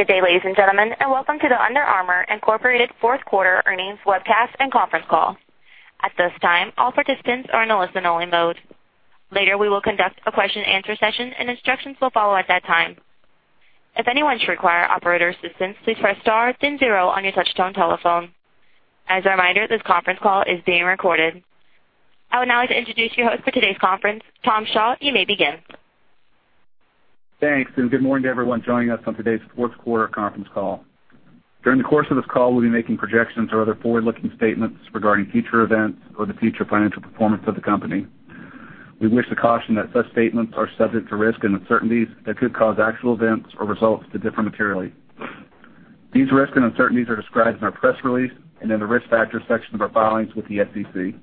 Good day, ladies and gentlemen, and welcome to the Under Armour Incorporated fourth quarter earnings webcast and conference call. At this time, all participants are in a listen-only mode. Later, we will conduct a question and answer session, and instructions will follow at that time. If anyone should require operator assistance, please press star then zero on your touch-tone telephone. As a reminder, this conference call is being recorded. I would now like to introduce your host for today's conference. Tom Shaw, you may begin. Thanks. Good morning to everyone joining us on today's fourth quarter conference call. During the course of this call, we'll be making projections or other forward-looking statements regarding future events or the future financial performance of the company. We wish to caution that such statements are subject to risks and uncertainties that could cause actual events or results to differ materially. These risks and uncertainties are described in our press release and in the Risk Factors section of our filings with the SEC.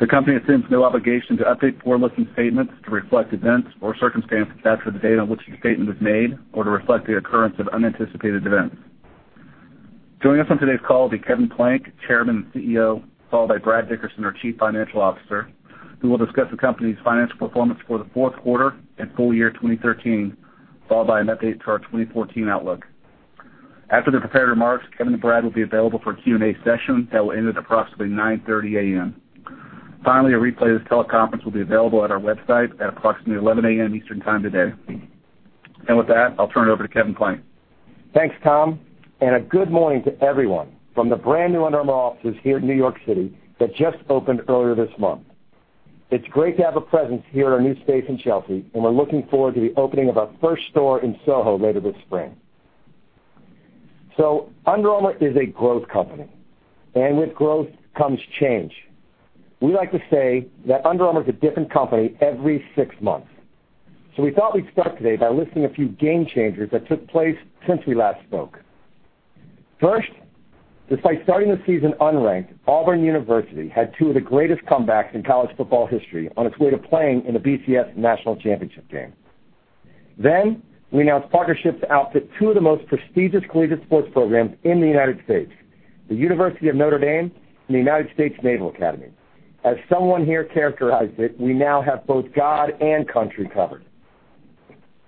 The company assumes no obligation to update forward-looking statements to reflect events or circumstances after the date on which such statement was made or to reflect the occurrence of unanticipated events. Joining us on today's call will be Kevin Plank, Chairman and CEO, followed by Brad Dickerson, our Chief Financial Officer, who will discuss the company's financial performance for the fourth quarter and full year 2013, followed by an update to our 2014 outlook. After the prepared remarks, Kevin and Brad will be available for a Q&A session that will end at approximately 9:30 A.M. Finally, a replay of this teleconference will be available at our website at approximately 11:00 A.M. Eastern Time today. With that, I'll turn it over to Kevin Plank. Thanks, Tom. Good morning to everyone from the brand new Under Armour offices here in New York City that just opened earlier this month. It's great to have a presence here at our new space in Chelsea, and we're looking forward to the opening of our first store in SoHo later this spring. Under Armour is a growth company, and with growth comes change. We like to say that Under Armour is a different company every six months. We thought we'd start today by listing a few game changers that took place since we last spoke. First, despite starting the season unranked, Auburn University had two of the greatest comebacks in college football history on its way to playing in the BCS National Championship Game. We announced partnerships to outfit two of the most prestigious collegiate sports programs in the U.S., the University of Notre Dame and the United States Naval Academy. As someone here characterized it, we now have both God and country covered.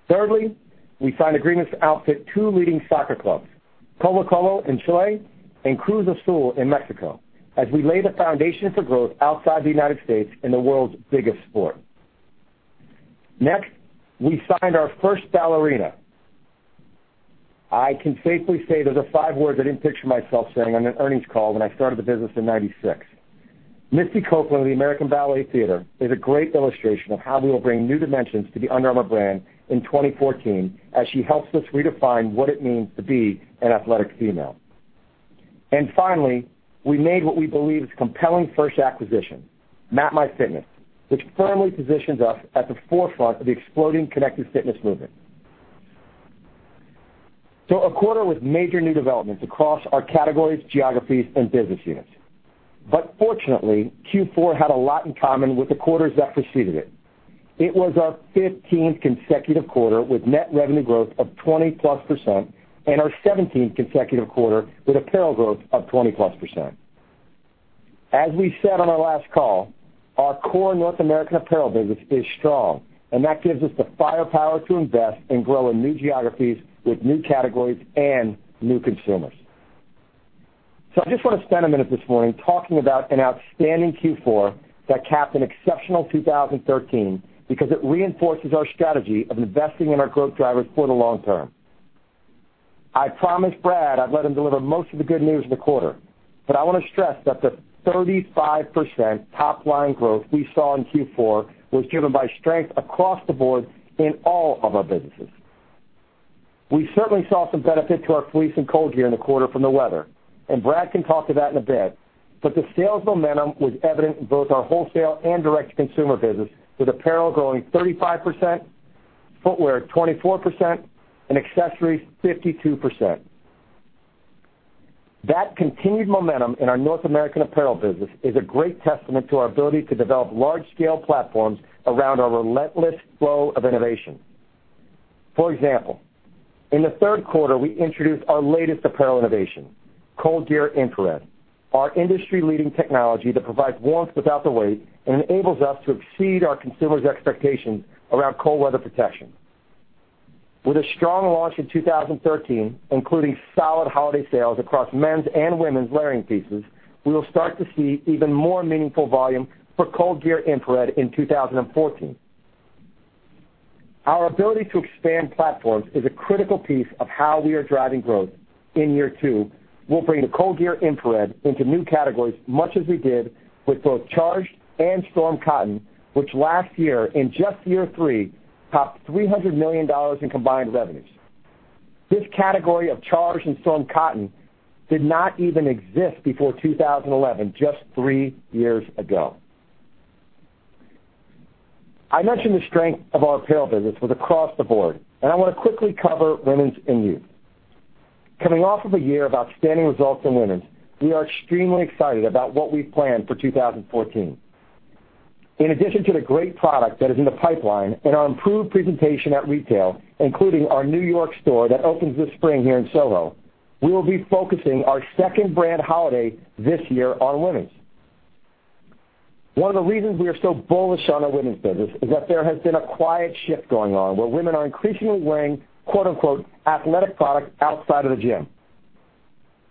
Thirdly, we signed agreements to outfit two leading soccer clubs, Colo-Colo in Chile and Cruz Azul in Mexico, as we lay the foundation for growth outside the U.S. in the world's biggest sport. Next, we signed our first ballerina. I can safely say those are five words I didn't picture myself saying on an earnings call when I started the business in 1996. Misty Copeland of the American Ballet Theatre is a great illustration of how we will bring new dimensions to the Under Armour brand in 2014 as she helps us redefine what it means to be an athletic female. Finally, we made what we believe is a compelling first acquisition, MapMyFitness, which firmly positions us at the forefront of the exploding connected fitness movement. A quarter with major new developments across our categories, geographies, and business units. Fortunately, Q4 had a lot in common with the quarters that preceded it. It was our 15th consecutive quarter with net revenue growth of 20+% and our 17th consecutive quarter with apparel growth of 20+%. As we said on our last call, our core North American apparel business is strong, and that gives us the firepower to invest and grow in new geographies with new categories and new consumers. I just want to spend a minute this morning talking about an outstanding Q4 that capped an exceptional 2013 because it reinforces our strategy of investing in our growth drivers for the long term. I promised Brad I'd let him deliver most of the good news of the quarter, but I want to stress that the 35% top-line growth we saw in Q4 was driven by strength across the board in all of our businesses. We certainly saw some benefit to our fleece and ColdGear in the quarter from the weather, and Brad can talk to that in a bit. The sales momentum was evident in both our wholesale and direct-to-consumer business, with apparel growing 35%, footwear 24%, and accessories 52%. That continued momentum in our North American apparel business is a great testament to our ability to develop large-scale platforms around our relentless flow of innovation. For example, in the third quarter, we introduced our latest apparel innovation, ColdGear Infrared, our industry-leading technology that provides warmth without the weight and enables us to exceed our consumers' expectations around cold weather protection. With a strong launch in 2013, including solid holiday sales across men's and women's layering pieces, we will start to see even more meaningful volume for ColdGear Infrared in 2014. Our ability to expand platforms is a critical piece of how we are driving growth. In year two, we'll bring the ColdGear Infrared into new categories, much as we did with both Charged and Storm Cotton, which last year, in just year three, topped $300 million in combined revenues. This category of Charged and Storm Cotton did not even exist before 2011, just three years ago. I mentioned the strength of our apparel business was across the board, and I want to quickly cover women's and youth. Coming off of a year of outstanding results in women's, we are extremely excited about what we've planned for 2014. In addition to the great product that is in the pipeline and our improved presentation at retail, including our New York store that opens this spring here in SoHo, we will be focusing our second brand holiday this year on women's. One of the reasons we are so bullish on our women's business is that there has been a quiet shift going on, where women are increasingly wearing, quote-unquote, "athletic product" outside of the gym.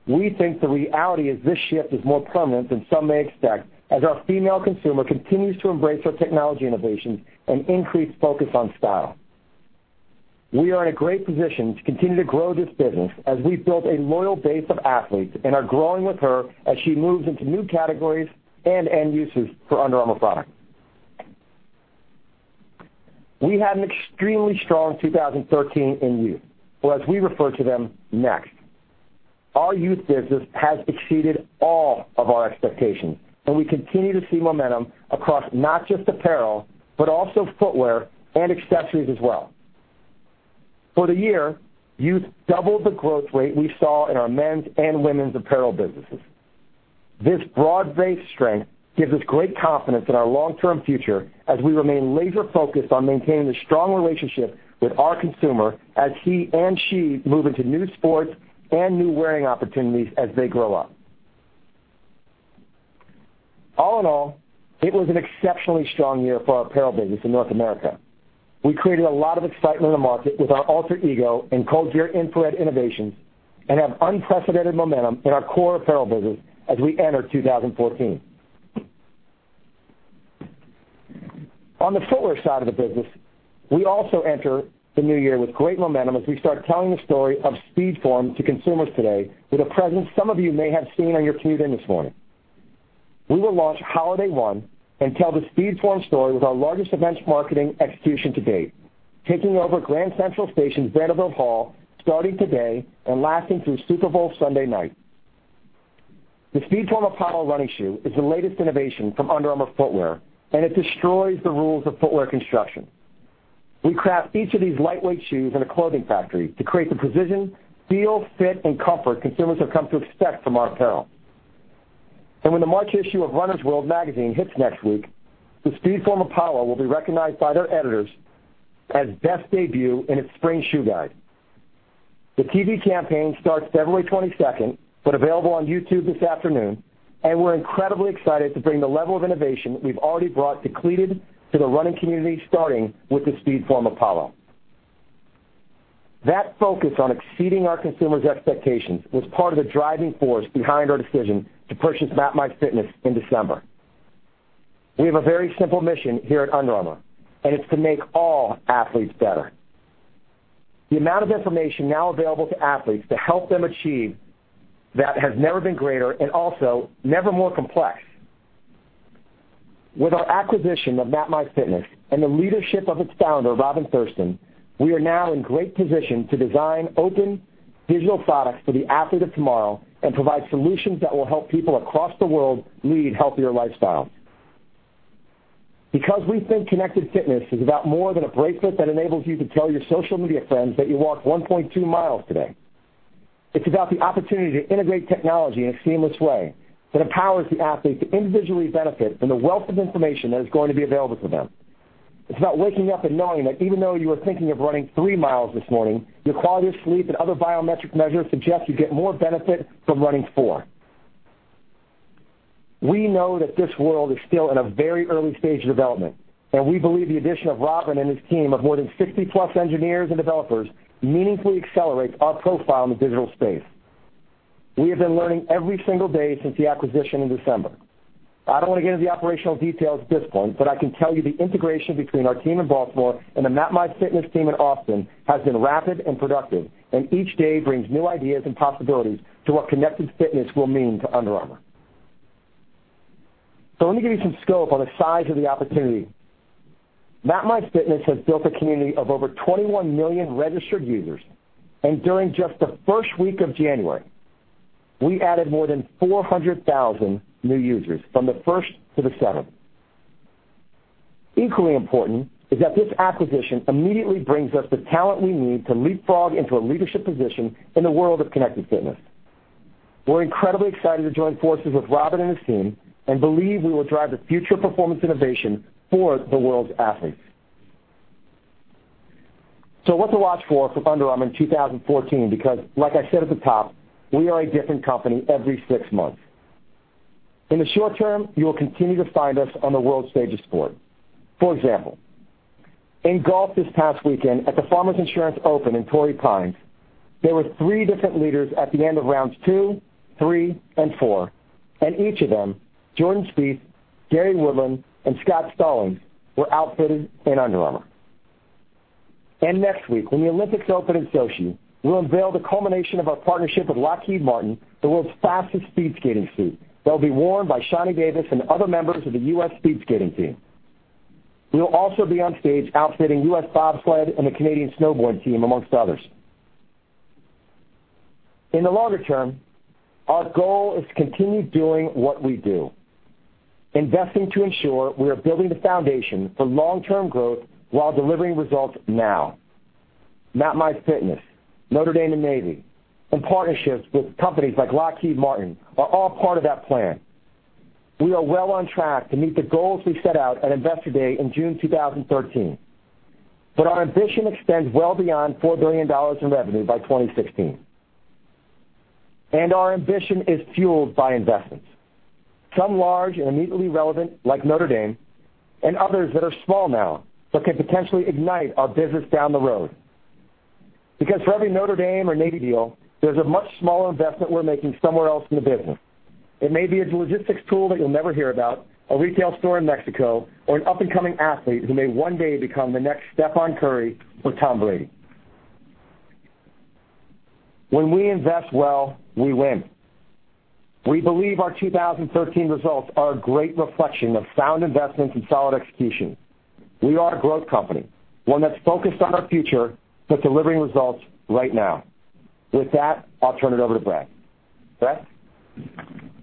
We think the reality is this shift is more permanent than some may expect, as our female consumer continues to embrace our technology innovations and increased focus on style. We are in a great position to continue to grow this business as we've built a loyal base of athletes and are growing with her as she moves into new categories and end uses for Under Armour products. We had an extremely strong 2013 in youth, or as we refer to them, Next. Our youth business has exceeded all of our expectations, and we continue to see momentum across not just apparel, but also footwear and accessories as well. For the year, youth doubled the growth rate we saw in our men's and women's apparel businesses. This broad-based strength gives us great confidence in our long-term future as we remain laser-focused on maintaining a strong relationship with our consumer as he and she move into new sports and new wearing opportunities as they grow up. All in all, it was an exceptionally strong year for our apparel business in North America. We created a lot of excitement in the market with our Alter Ego and ColdGear Infrared innovations and have unprecedented momentum in our core apparel business as we enter 2014. On the footwear side of the business, we also enter the new year with great momentum as we start telling the story of SpeedForm to consumers today with a presence some of you may have seen on your commute in this morning. We will launch Holiday One and tell the SpeedForm story with our largest events marketing execution to date, taking over Grand Central Station's Vanderbilt Hall starting today and lasting through Super Bowl Sunday night. The SpeedForm Apollo running shoe is the latest innovation from Under Armour footwear, and it destroys the rules of footwear construction. We craft each of these lightweight shoes in a clothing factory to create the precision, feel, fit, and comfort consumers have come to expect from our apparel. When the March issue of Runner's World magazine hits next week, the SpeedForm Apollo will be recognized by their editors as best debut in its spring shoe guide. The TV campaign starts February 22nd, but available on YouTube this afternoon, and we're incredibly excited to bring the level of innovation that we've already brought to cleated to the running community starting with the SpeedForm Apollo. That focus on exceeding our customers' expectations was part of the driving force behind our decision to purchase MapMyFitness in December. We have a very simple mission here at Under Armour, and it's to make all athletes better. The amount of information now available to athletes to help them achieve that has never been greater and also never more complex. With our acquisition of MapMyFitness and the leadership of its founder, Robin Thurston, we are now in great position to design open digital products for the athlete of tomorrow and provide solutions that will help people across the world lead healthier lifestyles. We think connected fitness is about more than a bracelet that enables you to tell your social media friends that you walked 1.2 miles today. It's about the opportunity to integrate technology in a seamless way that empowers the athlete to individually benefit from the wealth of information that is going to be available to them. It's about waking up and knowing that even though you were thinking of running three miles this morning, your quality of sleep and other biometric measures suggest you get more benefit from running four. We know that this world is still in a very early stage of development, and we believe the addition of Robin and his team of more than 60-plus engineers and developers meaningfully accelerates our profile in the digital space. We have been learning every single day since the acquisition in December. I don't want to get into the operational details at this point, but I can tell you the integration between our team in Baltimore and the MapMyFitness team in Austin has been rapid and productive, and each day brings new ideas and possibilities to what connected fitness will mean to Under Armour. Let me give you some scope on the size of the opportunity. MapMyFitness has built a community of over 21 million registered users, and during just the first week of January, we added more than 400,000 new users from the first to the seventh. Equally important is that this acquisition immediately brings us the talent we need to leapfrog into a leadership position in the world of connected fitness. We're incredibly excited to join forces with Robin and his team and believe we will drive the future performance innovation for the world's athletes. What to watch for Under Armour in 2014, because, like I said at the top, we are a different company every six months. In the short term, you will continue to find us on the world stage of sport. For example, in golf this past weekend at the Farmers Insurance Open in Torrey Pines, there were three different leaders at the end of rounds two, three, and four. Each of them, Jordan Spieth, Gary Woodland, and Scott Stallings, were outfitted in Under Armour. Next week, when the Olympics open in Sochi, we'll unveil the culmination of our partnership with Lockheed Martin, the world's fastest speed skating suit that will be worn by Shani Davis and other members of the U.S. speed skating team. We will also be on stage outfitting U.S. bobsled and the Canadian snowboard team, amongst others. In the longer term, our goal is to continue doing what we do. Investing to ensure we are building the foundation for long-term growth while delivering results now. MapMyFitness, Notre Dame and Navy, and partnerships with companies like Lockheed Martin are all part of that plan. We are well on track to meet the goals we set out at Investor Day in June 2013. Our ambition extends well beyond $4 billion in revenue by 2016. Our ambition is fueled by investments, some large and immediately relevant, like Notre Dame, and others that are small now but could potentially ignite our business down the road. For every Notre Dame or Navy deal, there's a much smaller investment we're making somewhere else in the business. It may be a logistics tool that you'll never hear about, a retail store in Mexico, or an up-and-coming athlete who may one day become the next Stephen Curry or Tom Brady. When we invest well, we win. We believe our 2013 results are a great reflection of sound investments and solid execution. We are a growth company, one that's focused on our future, but delivering results right now. With that, I'll turn it over to Brad. Brad?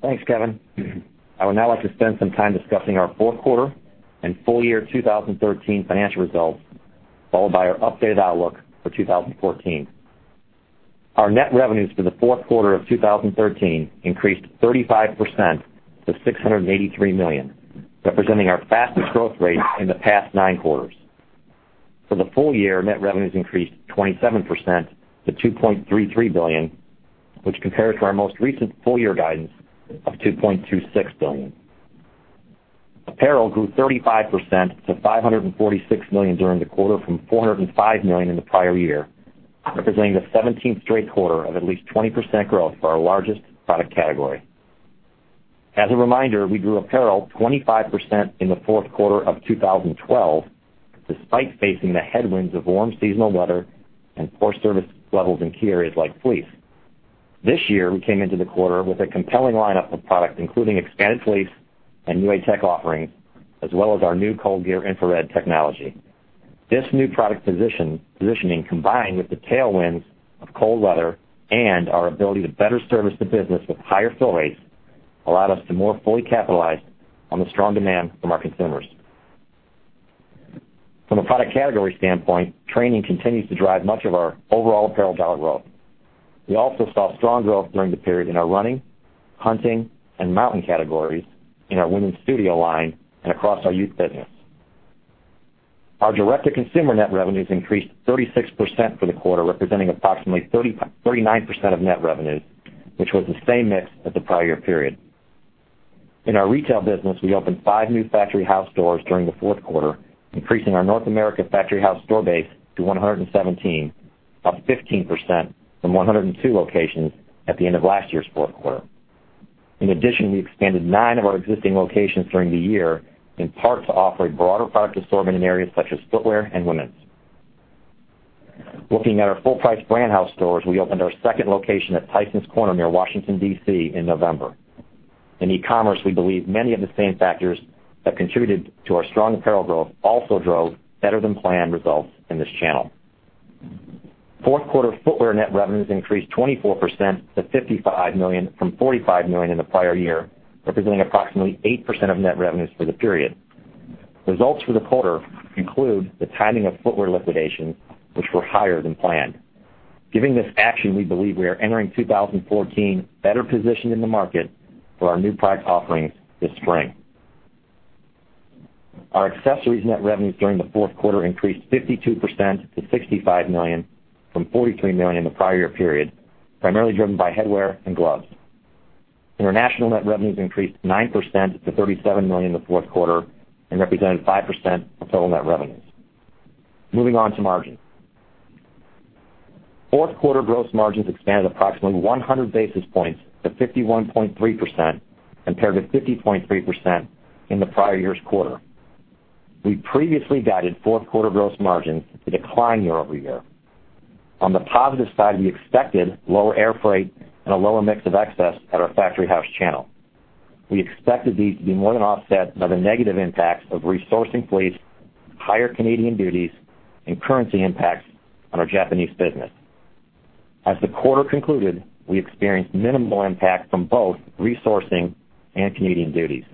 Thanks, Kevin. I would now like to spend some time discussing our fourth quarter and full year 2013 financial results, followed by our updated outlook for 2014. Our net revenues for the fourth quarter of 2013 increased 35% to $683 million, representing our fastest growth rate in the past nine quarters. For the full year, net revenues increased 27% to $2.33 billion, which compares to our most recent full year guidance of $2.26 billion. Apparel grew 35% to $546 million during the quarter from $405 million in the prior year, representing the 17th straight quarter of at least 20% growth for our largest product category. As a reminder, we grew apparel 25% in the fourth quarter of 2012, despite facing the headwinds of warm seasonal weather and poor service levels in key areas like fleece. This year, we came into the quarter with a compelling lineup of product, including expanded fleece and new tech offerings, as well as our new ColdGear Infrared technology. This new product positioning, combined with the tailwinds of cold weather and our ability to better service the business with higher fill rates, allowed us to more fully capitalize on the strong demand from our consumers. From a product category standpoint, training continues to drive much of our overall apparel dollar growth. We also saw strong growth during the period in our running, hunting, and mountain categories, in our women's studio line, and across our youth business. Our direct-to-consumer net revenues increased 36% for the quarter, representing approximately 39% of net revenues, which was the same mix as the prior year period. In our retail business, we opened five new Factory House stores during the fourth quarter, increasing our North America Factory House store base to 117, up 15% from 102 locations at the end of last year's fourth quarter. In addition, we expanded nine of our existing locations during the year, in part to offer a broader product assortment in areas such as footwear and women's. Looking at our full-price Brand House stores, we opened our second location at Tysons Corner near Washington, D.C., in November. In e-commerce, we believe many of the same factors that contributed to our strong apparel growth also drove better-than-planned results in this channel. Fourth quarter footwear net revenues increased 24% to $55 million from $45 million in the prior year, representing approximately 8% of net revenues for the period. Results for the quarter include the timing of footwear liquidations, which were higher than planned. Given this action, we believe we are entering 2014 better positioned in the market for our new product offerings this spring. Our accessories net revenues during the fourth quarter increased 52% to $65 million from $43 million in the prior year period, primarily driven by headwear and gloves. International net revenues increased 9% to $37 million in the fourth quarter and represented 5% of total net revenues. Moving on to margin. Fourth quarter gross margins expanded approximately 100 basis points to 51.3% compared to 50.3% in the prior year's quarter. We previously guided fourth quarter gross margins to decline year-over-year. On the positive side, we expected lower air freight and a lower mix of excess at our Factory House channel. We expected these to be more than offset by the negative impacts of resourcing fleece, higher Canadian duties, and currency impacts on our Japanese business. As the quarter concluded, we experienced minimal impact from both resourcing and Canadian duties.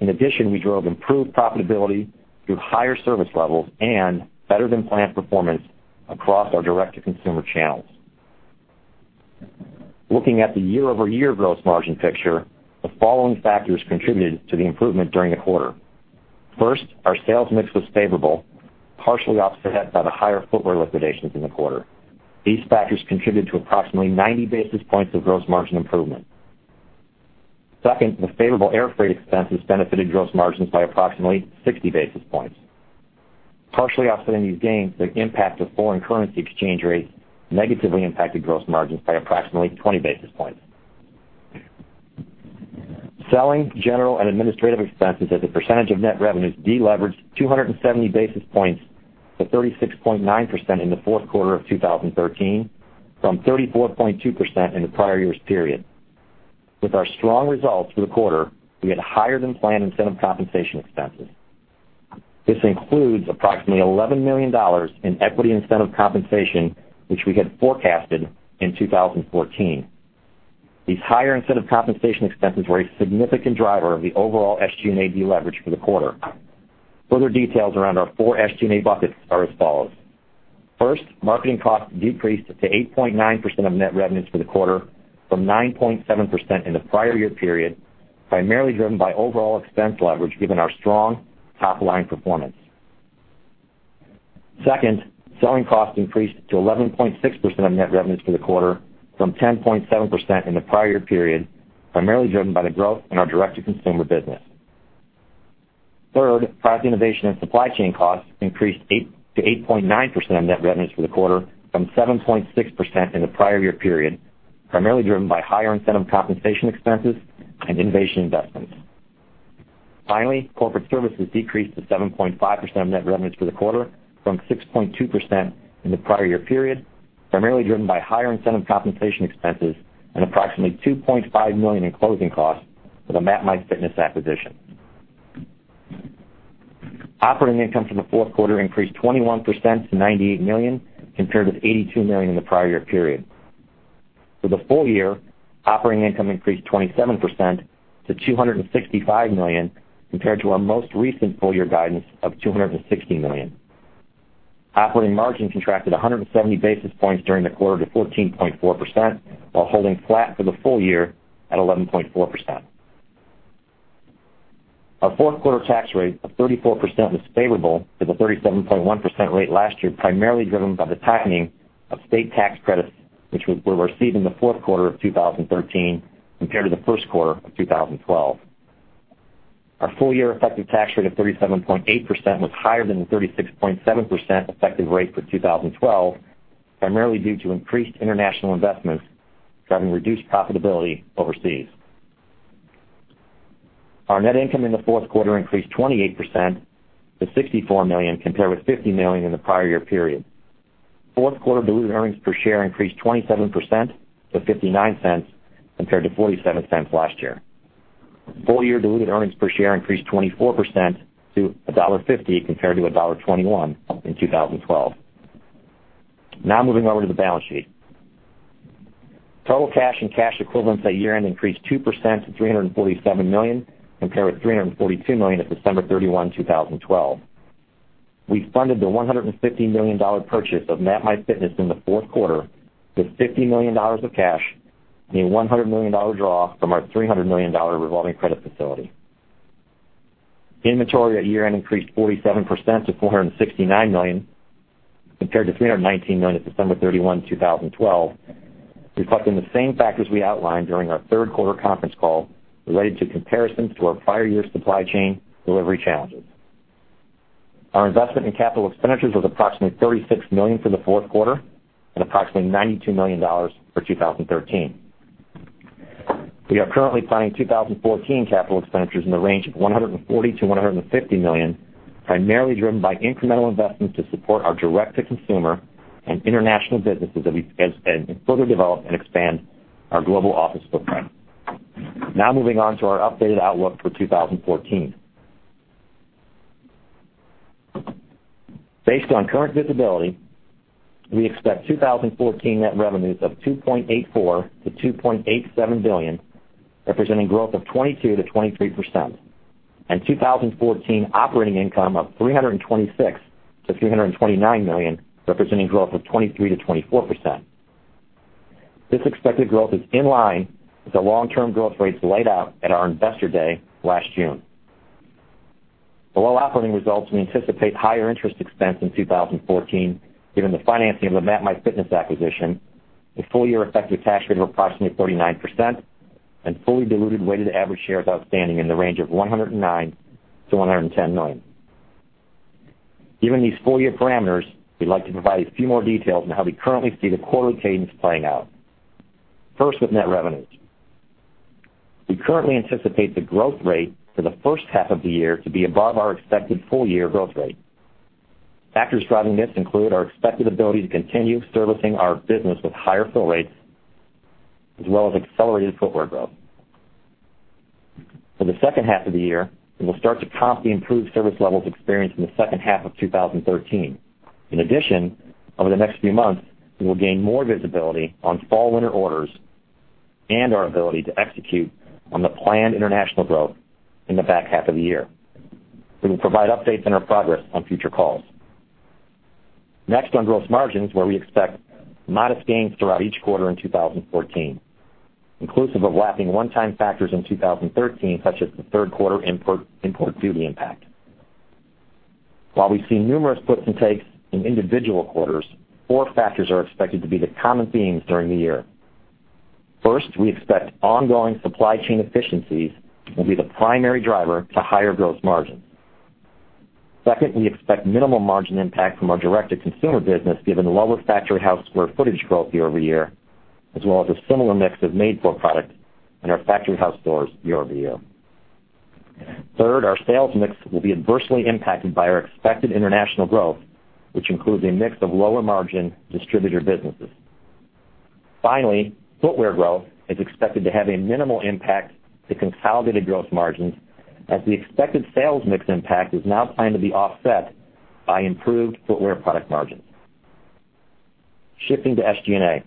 In addition, we drove improved profitability through higher service levels and better-than-planned performance across our direct-to-consumer channels. Looking at the year-over-year gross margin picture, the following factors contributed to the improvement during the quarter. First, our sales mix was favorable, partially offset by the higher footwear liquidations in the quarter. These factors contributed to approximately 90 basis points of gross margin improvement. Second, the favorable air freight expenses benefited gross margins by approximately 60 basis points. Partially offsetting these gains, the impact of foreign currency exchange rates negatively impacted gross margins by approximately 20 basis points. Selling, general, and administrative expenses as a percentage of net revenues de-leveraged 270 basis points to 36.9% in the fourth quarter of 2013 from 34.2% in the prior year's period. With our strong results for the quarter, we had higher-than-planned incentive compensation expenses. This includes approximately $11 million in equity incentive compensation, which we had forecasted in 2014. These higher incentive compensation expenses were a significant driver of the overall SG&A deleverage for the quarter. Further details around our four SG&A buckets are as follows. First, marketing costs decreased to 8.9% of net revenues for the quarter from 9.7% in the prior year period, primarily driven by overall expense leverage given our strong top-line performance. Second, selling costs increased to 11.6% of net revenues for the quarter, from 10.7% in the prior year period, primarily driven by the growth in our direct-to-consumer business. Third, product innovation and supply chain costs increased to 8.9% of net revenues for the quarter, from 7.6% in the prior year period, primarily driven by higher incentive compensation expenses and innovation investments. Finally, corporate services [increased] to 7.5% of net revenues for the quarter, from 6.2% in the prior year period, primarily driven by higher incentive compensation expenses and approximately $2.5 million in closing costs for the MapMyFitness acquisition. Operating income for the fourth quarter increased 21% to $98 million, compared with $82 million in the prior year period. For the full year, operating income increased 27% to $265 million, compared to our most recent full-year guidance of $260 million. Operating margin contracted 170 basis points during the quarter to 14.4%, while holding flat for the full year at 11.4%. Our fourth quarter tax rate of 34% was favorable to the 37.1% rate last year, primarily driven by the timing of state tax credits which were received in the fourth quarter of 2013 compared to the first quarter of 2012. Our full-year effective tax rate of 37.8% was higher than the 36.7% effective rate for 2012, primarily due to increased international investments driving reduced profitability overseas. Our net income in the fourth quarter increased 28% to $64 million, compared with $50 million in the prior year period. Fourth quarter diluted earnings per share increased 27% to $0.59, compared to $0.47 last year. Full year diluted earnings per share increased 24% to $1.50, compared to $1.21 in 2012. Now moving over to the balance sheet. Total cash and cash equivalents at year-end increased 2% to $347 million, compared with $342 million at December 31, 2012. We funded the $150 million purchase of MapMyFitness in the fourth quarter with $50 million of cash and a $100 million draw from our $300 million revolving credit facility. Inventory at year-end increased 47% to $469 million, compared to $319 million at December 31, 2012, reflecting the same factors we outlined during our third quarter conference call related to comparisons to our prior year supply chain delivery challenges. Our investment in capital expenditures was approximately $36 million for the fourth quarter and approximately $92 million for 2013. We are currently planning 2014 capital expenditures in the range of $140 million-$150 million, primarily driven by incremental investments to support our direct-to-consumer and international businesses as we further develop and expand our global office footprint. Now moving on to our updated outlook for 2014. Based on current visibility, we expect 2014 net revenues of $2.84 billion-$2.87 billion, representing growth of 22%-23%, and 2014 operating income of $326 million-$329 million, representing growth of 23%-24%. This expected growth is in line with the long-term growth rates laid out at our investor day last June. Below operating results, we anticipate higher interest expense in 2014, given the financing of the MapMyFitness acquisition, a full-year effective tax rate of approximately 39%, and fully diluted weighted average shares outstanding in the range of 109 million-110 million. Given these full-year parameters, we'd like to provide a few more details on how we currently see the quarterly cadence playing out. First with net revenues. We currently anticipate the growth rate for the first half of the year to be above our expected full-year growth rate. Factors driving this include our expected ability to continue servicing our business with higher fill rates, as well as accelerated footwear growth. For the second half of the year, we will start to comp the improved service levels experienced in the second half of 2013. In addition, over the next few months, we will gain more visibility on fall-winter orders and our ability to execute on the planned international growth in the back half of the year. We will provide updates on our progress on future calls. Next, on gross margins, where we expect modest gains throughout each quarter in 2014, inclusive of lapping one-time factors in 2013, such as the third quarter import duty impact. While we see numerous puts and takes in individual quarters, four factors are expected to be the common themes during the year. First, we expect ongoing supply chain efficiencies will be the primary driver to higher gross margins. Second, we expect minimal margin impact from our direct-to-consumer business, given lower Factory House square footage growth year-over-year, as well as a similar mix of made-for product in our Factory House stores year-over-year. Third, our sales mix will be adversely impacted by our expected international growth, which includes a mix of lower-margin distributor businesses. Finally, footwear growth is expected to have a minimal impact to consolidated gross margins, as the expected sales mix impact is now planned to be offset by improved footwear product margins. Shifting to SG&A.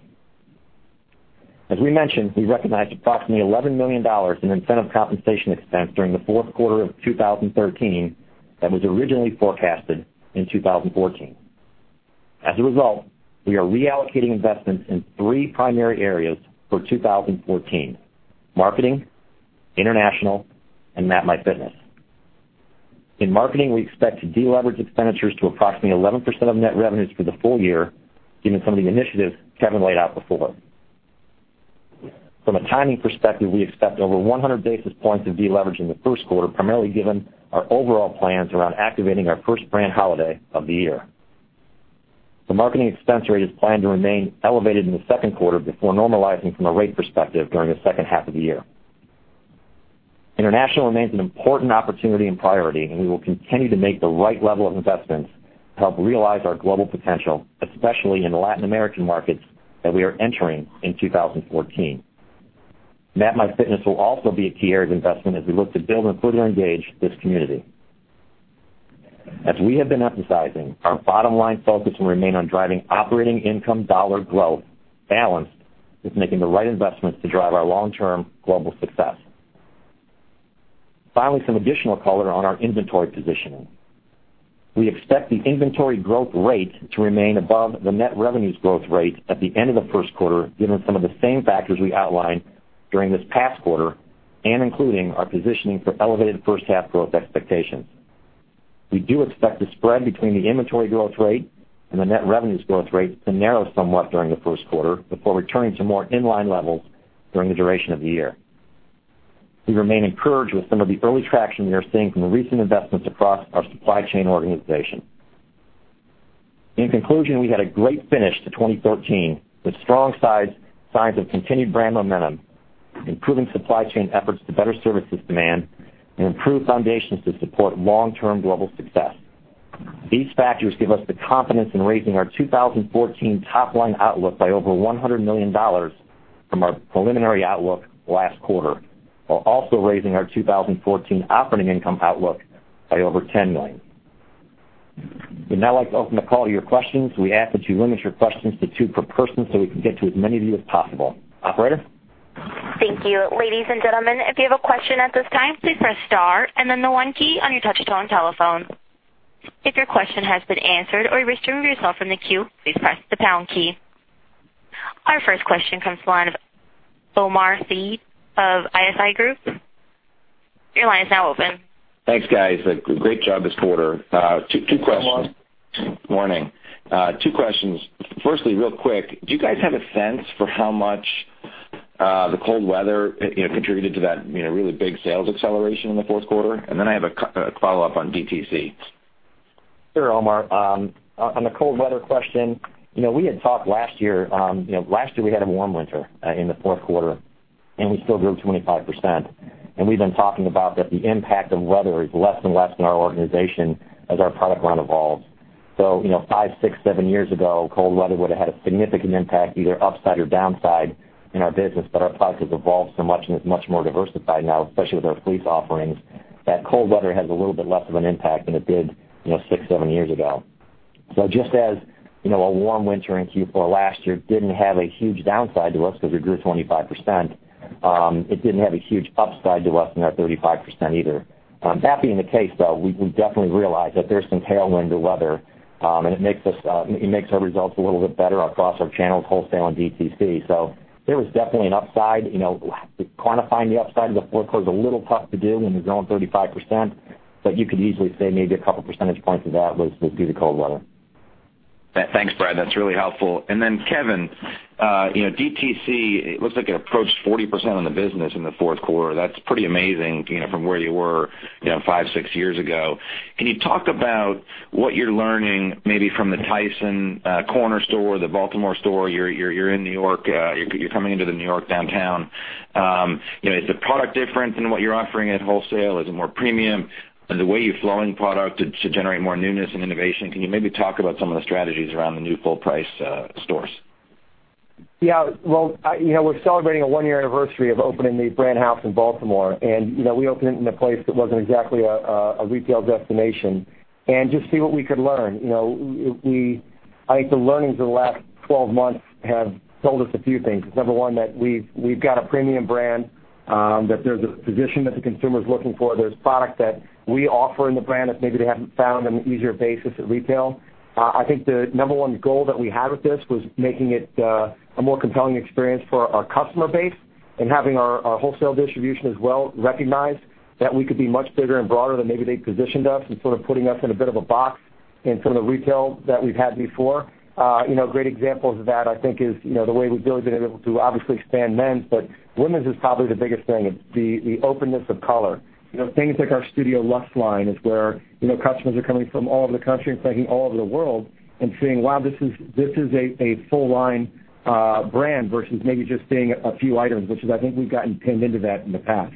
As we mentioned, we recognized approximately $11 million in incentive compensation expense during the fourth quarter of 2013 that was originally forecasted in 2014. As a result, we are reallocating investments in three primary areas for 2014: marketing, international, and MapMyFitness. In marketing, we expect to deleverage expenditures to approximately 11% of net revenues for the full year, given some of the initiatives Kevin laid out before. From a timing perspective, we expect over 100 basis points of deleverage in the first quarter, primarily given our overall plans around activating our first brand holiday of the year. The marketing expense rate is planned to remain elevated in the second quarter before normalizing from a rate perspective during the second half of the year. International remains an important opportunity and priority, and we will continue to make the right level of investments to help realize our global potential, especially in the Latin American markets that we are entering in 2014. MapMyFitness will also be a key area of investment as we look to build and further engage this community. As we have been emphasizing, our bottom-line focus will remain on driving operating income dollar growth balanced with making the right investments to drive our long-term global success. Finally, some additional color on our inventory positioning. We expect the inventory growth rate to remain above the net revenues growth rate at the end of the first quarter, given some of the same factors we outlined during this past quarter and including our positioning for elevated first half growth expectations. We do expect the spread between the inventory growth rate and the net revenues growth rate to narrow somewhat during the first quarter before returning to more in-line levels during the duration of the year. We remain encouraged with some of the early traction we are seeing from the recent investments across our supply chain organization. In conclusion, we had a great finish to 2013 with strong signs of continued brand momentum, improving supply chain efforts to better service this demand, and improved foundations to support long-term global success. These factors give us the confidence in raising our 2014 top-line outlook by over $100 million from our preliminary outlook last quarter, while also raising our 2014 operating income outlook by over $10 million. We'd now like to open the call to your questions. We ask that you limit your questions to two per person so we can get to as many of you as possible. Operator? Thank you. Ladies and gentlemen, if you have a question at this time, please press star and then the one key on your touch-tone telephone. If your question has been answered or you wish to remove yourself from the queue, please press the pound key. Our first question comes to the line of Omar Saad of ISI Group. Your line is now open. Thanks, guys. Great job this quarter. Two questions. Good morning. Morning. Two questions. Firstly, real quick, do you guys have a sense for how much the cold weather contributed to that really big sales acceleration in the fourth quarter? I have a follow-up on DTC. Sure, Omar. On the cold weather question, we had talked last year. Last year, we had a warm winter in the fourth quarter, and we still grew 25%. We've been talking about that the impact of weather is less and less in our organization as our product line evolves. Five, six, seven years ago, cold weather would've had a significant impact, either upside or downside in our business. Our product has evolved so much, and it's much more diversified now, especially with our fleece offerings, that cold weather has a little bit less of an impact than it did six, seven years ago. Just as a warm winter in Q4 last year didn't have a huge downside to us because we grew 25%, it didn't have a huge upside to us in our 35% either. That being the case, though, we definitely realize that there's some tailwind to weather, and it makes our results a little bit better across our channels, wholesale and DTC. There was definitely an upside. Quantifying the upside in the fourth quarter is a little tough to do when you're growing 35%, but you could easily say maybe a couple percentage points of that was due to cold weather. Thanks, Brad. That's really helpful. Kevin, DTC, it looks like it approached 40% of the business in the fourth quarter. That's pretty amazing from where you were five, six years ago. Can you talk about what you're learning maybe from the Tysons Corner store, the Baltimore store, you're in New York, you're coming into New York Downtown. Is the product different than what you're offering at wholesale? Is it more premium? The way you're flowing product to generate more newness and innovation, can you maybe talk about some of the strategies around the new full-price stores? Yeah. We're celebrating a one-year anniversary of opening the Brand House in Baltimore. We opened it in a place that wasn't exactly a retail destination and just see what we could learn. I think the learnings of the last 12 months have told us a few things. Number 1, that we've got a premium brand, that there's a position that the consumer's looking for. There's product that we offer in the brand that maybe they haven't found on an easier basis at retail. I think the number 1 goal that we had with this was making it a more compelling experience for our customer base and having our wholesale distribution as well recognize that we could be much bigger and broader than maybe they positioned us and sort of putting us in a bit of a box in some of the retail that we've had before. Great examples of that, I think, is the way we've really been able to obviously expand men's, but women's is probably the biggest thing. The openness of color. Things like our StudioLux line is where customers are coming from all over the country and frankly all over the world and seeing, wow, this is a full-line brand versus maybe just seeing a few items, which is I think we've gotten pinned into that in the past.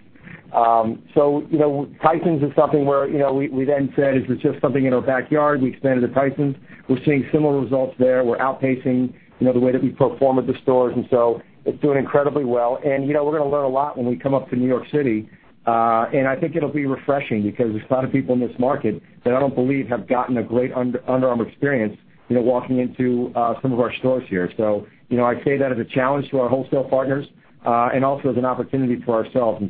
Tysons is something where we then said, if it's just something in our backyard, we expanded to Tysons. We're seeing similar results there. We're outpacing the way that we proforma the stores, and so it's doing incredibly well. We're going to learn a lot when we come up to New York City. I think it'll be refreshing because there's a lot of people in this market that I don't believe have gotten a great Under Armour experience walking into some of our stores here. I say that as a challenge to our wholesale partners, and also as an opportunity for ourselves.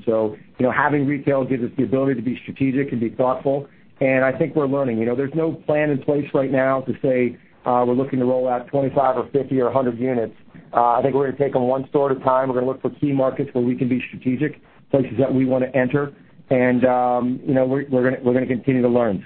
Having retail gives us the ability to be strategic and be thoughtful, and I think we're learning. There's no plan in place right now to say we're looking to roll out 25 or 50 or 100 units. I think we're going to take them one store at a time. We're going to look for key markets where we can be strategic, places that we want to enter. We're going to continue to learn.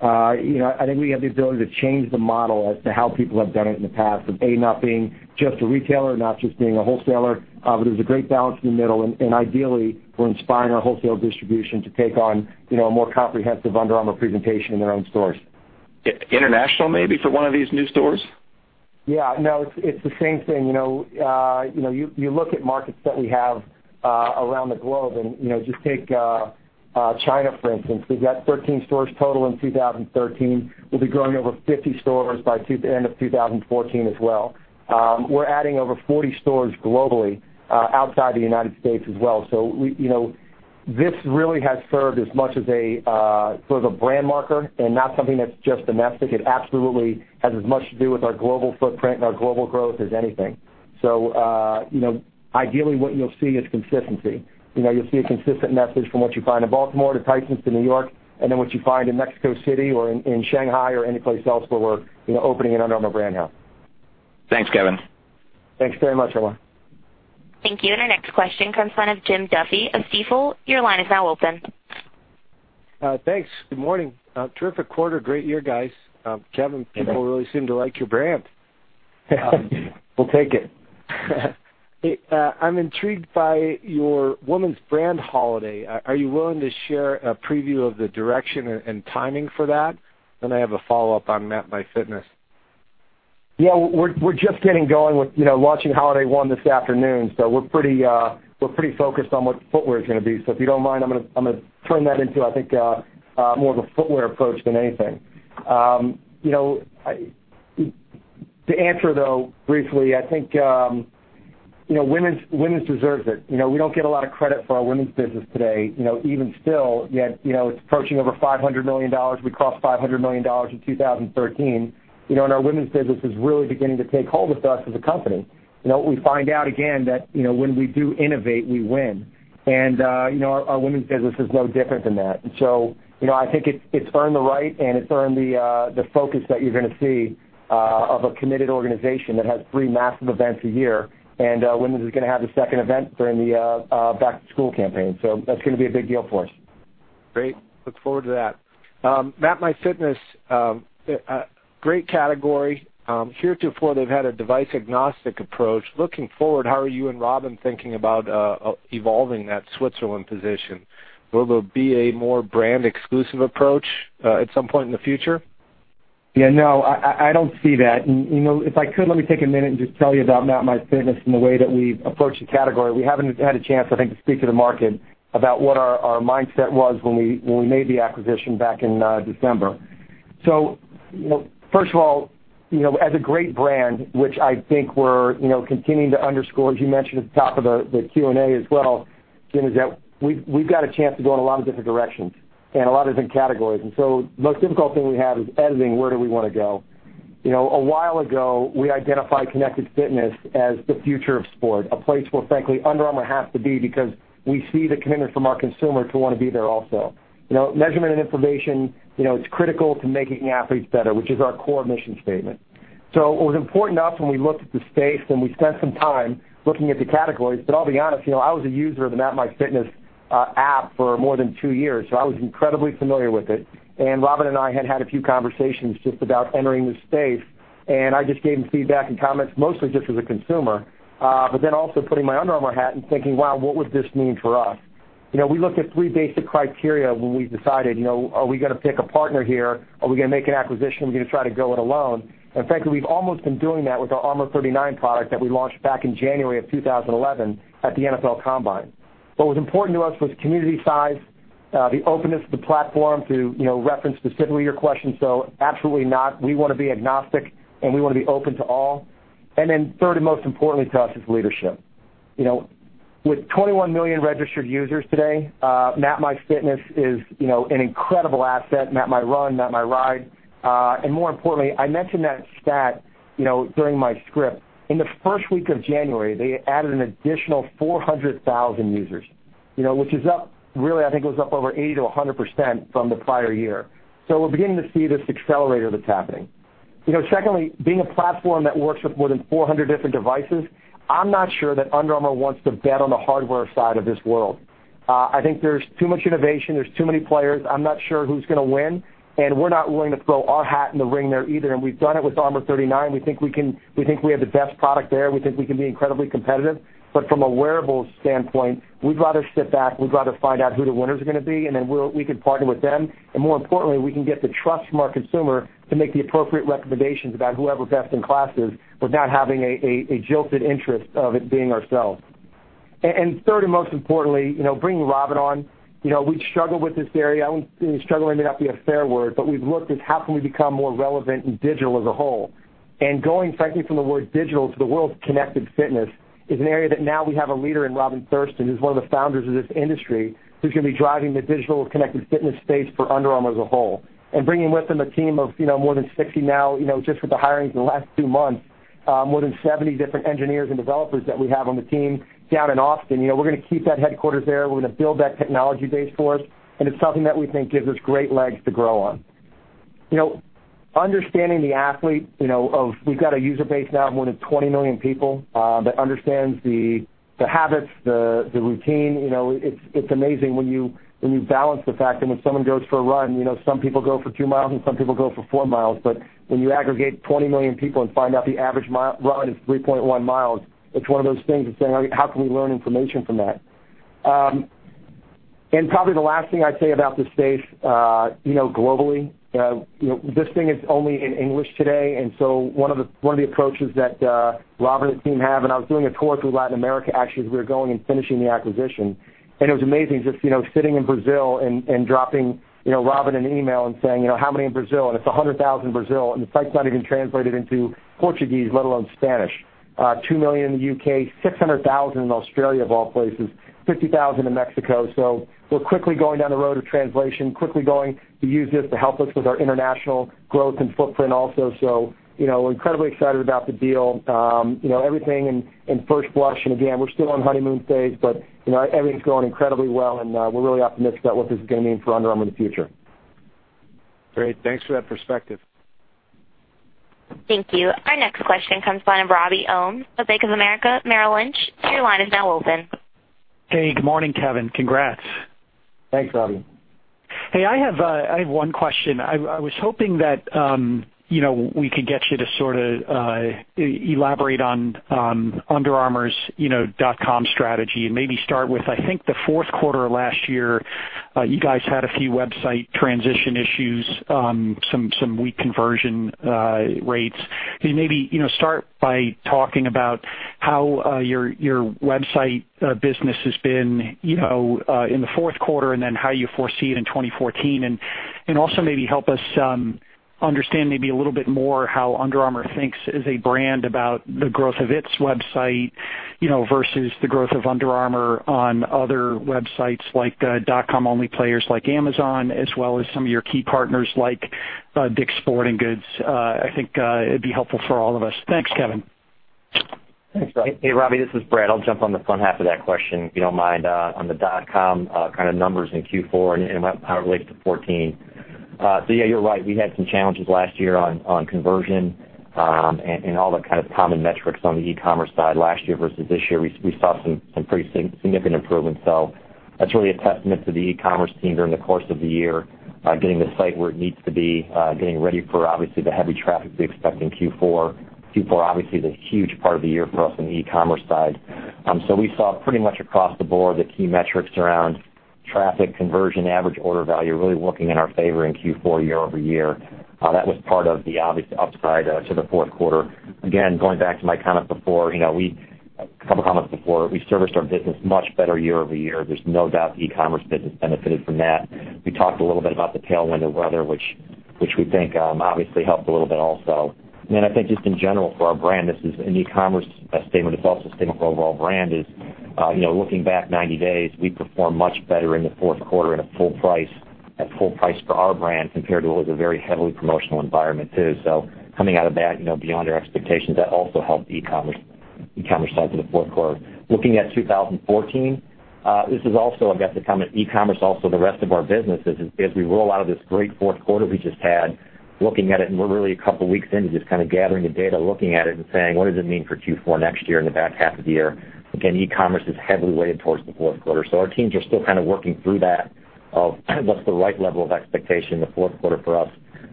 I think we have the ability to change the model as to how people have done it in the past of, A, not being just a retailer, not just being a wholesaler. There's a great balance in the middle. Ideally, we're inspiring our wholesale distribution to take on a more comprehensive Under Armour presentation in their own stores. International maybe for one of these new stores? Yeah. No, it's the same thing. You look at markets that we have around the globe and just take China, for instance. We've got 13 stores total in 2013. We'll be growing over 50 stores by the end of 2014 as well. We're adding over 40 stores globally outside the United States as well. This really has served as much as a sort of a brand marker and not something that's just domestic. It absolutely has as much to do with our global footprint and our global growth as anything. Ideally, what you'll see is consistency. You'll see a consistent message from what you find in Baltimore to Tysons to New York, and then what you find in Mexico City or in Shanghai or anyplace else where we're opening an Under Armour Brand House. Thanks, Kevin. Thanks very much, Omar. Thank you. Our next question comes from the line of Jim Duffy of Stifel. Your line is now open. Thanks. Good morning. Terrific quarter. Great year, guys. Kevin, people really seem to like your brand. We'll take it. I'm intrigued by your women's brand holiday. Are you willing to share a preview of the direction and timing for that? I have a follow-up on MapMyFitness. Yeah, we're just getting going with launching Holiday One this afternoon, we're pretty focused on what footwear is going to be. If you don't mind, I'm going to turn that into, I think, more of a footwear approach than anything. To answer, though, briefly, I think women's deserves it. We don't get a lot of credit for our women's business today. Even still, yet it's approaching over $500 million. We crossed $500 million in 2013. Our women's business is really beginning to take hold with us as a company. We find out again that when we do innovate, we win. Our women's business is no different than that. I think it's earned the right and it's earned the focus that you're going to see of a committed organization that has three massive events a year. women's is going to have the second event during the back-to-school campaign. That's going to be a big deal for us. Great. Look forward to that. MapMyFitness, great category. Heretofore, they've had a device-agnostic approach. Looking forward, how are you and Robin thinking about evolving that Switzerland position? Will there be a more brand-exclusive approach at some point in the future? Yeah, no, I don't see that. If I could, let me take a minute and just tell you about MapMyFitness and the way that we approach the category. We haven't had a chance, I think, to speak to the market about what our mindset was when we made the acquisition back in December. First of all, as a great brand, which I think we're continuing to underscore, as you mentioned at the top of the Q&A as well, Jim, is that we've got a chance to go in a lot of different directions and a lot of different categories. The most difficult thing we have is editing where do we want to go. A while ago, we identified connected fitness as the future of sport, a place where, frankly, Under Armour has to be because we see the commitment from our consumer to want to be there also. Measurement and information, it's critical to making athletes better, which is our core mission statement. It was important enough when we looked at the space, and we spent some time looking at the categories. I'll be honest, I was a user of the MapMyFitness app for more than two years, so I was incredibly familiar with it. Robin and I had had a few conversations just about entering the space, and I just gave him feedback and comments, mostly just as a consumer. Also putting my Under Armour hat and thinking, wow, what would this mean for us? We looked at three basic criteria when we decided, are we going to pick a partner here? Are we going to make an acquisition? Are we going to try to go it alone? Frankly, we've almost been doing that with our Armour39 product that we launched back in January of 2011 at the NFL Combine. What was important to us was community size, the openness of the platform to reference specifically your question. Absolutely not, we want to be agnostic, and we want to be open to all. Then third, and most importantly to us, is leadership. With 21 million registered users today, MapMyFitness is an incredible asset, MapMyRun, MapMyRide. More importantly, I mentioned that stat during my script. In the first week of January, they added an additional 400,000 users which is up, really, I think it was up over 80%-100% from the prior year. We're beginning to see this accelerator that's happening. Secondly, being a platform that works with more than 400 different devices, I'm not sure that Under Armour wants to bet on the hardware side of this world. I think there's too much innovation. There's too many players. I'm not sure who's going to win, and we're not willing to throw our hat in the ring there either. We've done it with Armour39. We think we have the best product there. We think we can be incredibly competitive. From a wearables standpoint, we'd rather sit back. We'd rather find out who the winners are going to be, and then we could partner with them. More importantly, we can get the trust from our consumer to make the appropriate recommendations about whoever best in class is without having a jilted interest of it being ourselves. Third, and most importantly, bringing Robin on. We've struggled with this area. Struggle may not be a fair word, but we've looked at how can we become more relevant in digital as a whole. Going, frankly, from the word digital to the world of connected fitness is an area that now we have a leader in Robin Thurston, who's one of the founders of this industry, who's going to be driving the digital connected fitness space for Under Armour as a whole. Bringing with him a team of more than 60 now, just with the hirings in the last two months, more than 70 different engineers and developers that we have on the team down in Austin. We're going to keep that headquarters there. We're going to build that technology base for us, and it's something that we think gives us great legs to grow on. Understanding the athlete, we've got a user base now of more than 20 million people that understands the habits, the routine. It's amazing when you balance the fact that when someone goes for a run, some people go for two miles and some people go for four miles. When you aggregate 20 million people and find out the average run is 3.1 miles, it's one of those things that's saying, how can we learn information from that? Probably the last thing I'd say about the space globally, this thing is only in English today. One of the approaches that Robin and team have, and I was doing a tour through Latin America, actually, as we were going and finishing the acquisition. It was amazing just sitting in Brazil and dropping Robin an email and saying, "How many in Brazil?" It's 100,000 in Brazil, and the site's not even translated into Portuguese, let alone Spanish. It's 2 million in the U.K., 600,000 in Australia of all places, 50,000 in Mexico. We're quickly going down the road of translation, quickly going to use this to help us with our international growth and footprint also. We're incredibly excited about the deal. Everything in first blush, and again, we're still in honeymoon phase, but everything's going incredibly well, and we're really optimistic about what this is going to mean for Under Armour in the future. Great. Thanks for that perspective. Thank you. Our next question comes from Robert Ohmes of Bank of America Merrill Lynch. Your line is now open. Hey, good morning, Kevin. Congrats. Thanks, Robbie. Hey, I have one question. I was hoping that we could get you to sort of elaborate on Under Armour's .com strategy and maybe start with, I think, the fourth quarter of last year, you guys had a few website transition issues, some weak conversion rates. Can you maybe start by talking about how your website business has been in the fourth quarter and then how you foresee it in 2014? Also maybe help us understand maybe a little bit more how Under Armour thinks as a brand about the growth of its website versus the growth of Under Armour on other websites like .com only players like Amazon, as well as some of your key partners like Dick's Sporting Goods. It'd be helpful for all of us. Thanks, Kevin. Thanks, Robbie. Hey, Robbie, this is Brad. I'll jump on the fun half of that question, if you don't mind, on the .com kind of numbers in Q4 and how it relates to 2014. You're right. We had some challenges last year on conversion and all the kind of common metrics on the e-commerce side last year versus this year. We saw some pretty significant improvements. That's really a testament to the e-commerce team during the course of the year, getting the site where it needs to be, getting ready for, obviously, the heavy traffic we expect in Q4. Q4, obviously, is a huge part of the year for us on the e-commerce side. We saw pretty much across the board the key metrics around traffic conversion, average order value, really working in our favor in Q4 year-over-year. That was part of the obvious upside to the fourth quarter. Going back to my comment before, a couple of comments before, we serviced our business much better year-over-year. There's no doubt the e-commerce business benefited from that. We talked a little bit about the tailwind of weather, which we think obviously helped a little bit also. Then I think just in general for our brand, this is an e-commerce statement. It's also a statement for our overall brand is, looking back 90 days, we performed much better in the fourth quarter at full price for our brand compared to what was a very heavily promotional environment, too. Coming out of that, beyond our expectations, that also helped the e-commerce side for the fourth quarter. Looking at 2014, this has also, I've got the comment, e-commerce, also the rest of our business, as we roll out of this great fourth quarter we just had, looking at it, and we're really a couple weeks in to just kind of gathering the data, looking at it, and saying, what does it mean for Q4 next year and the back half of the year? E-commerce is heavily weighted towards the fourth quarter. Our teams are still kind of working through that of what's the right level of expectation the fourth quarter for us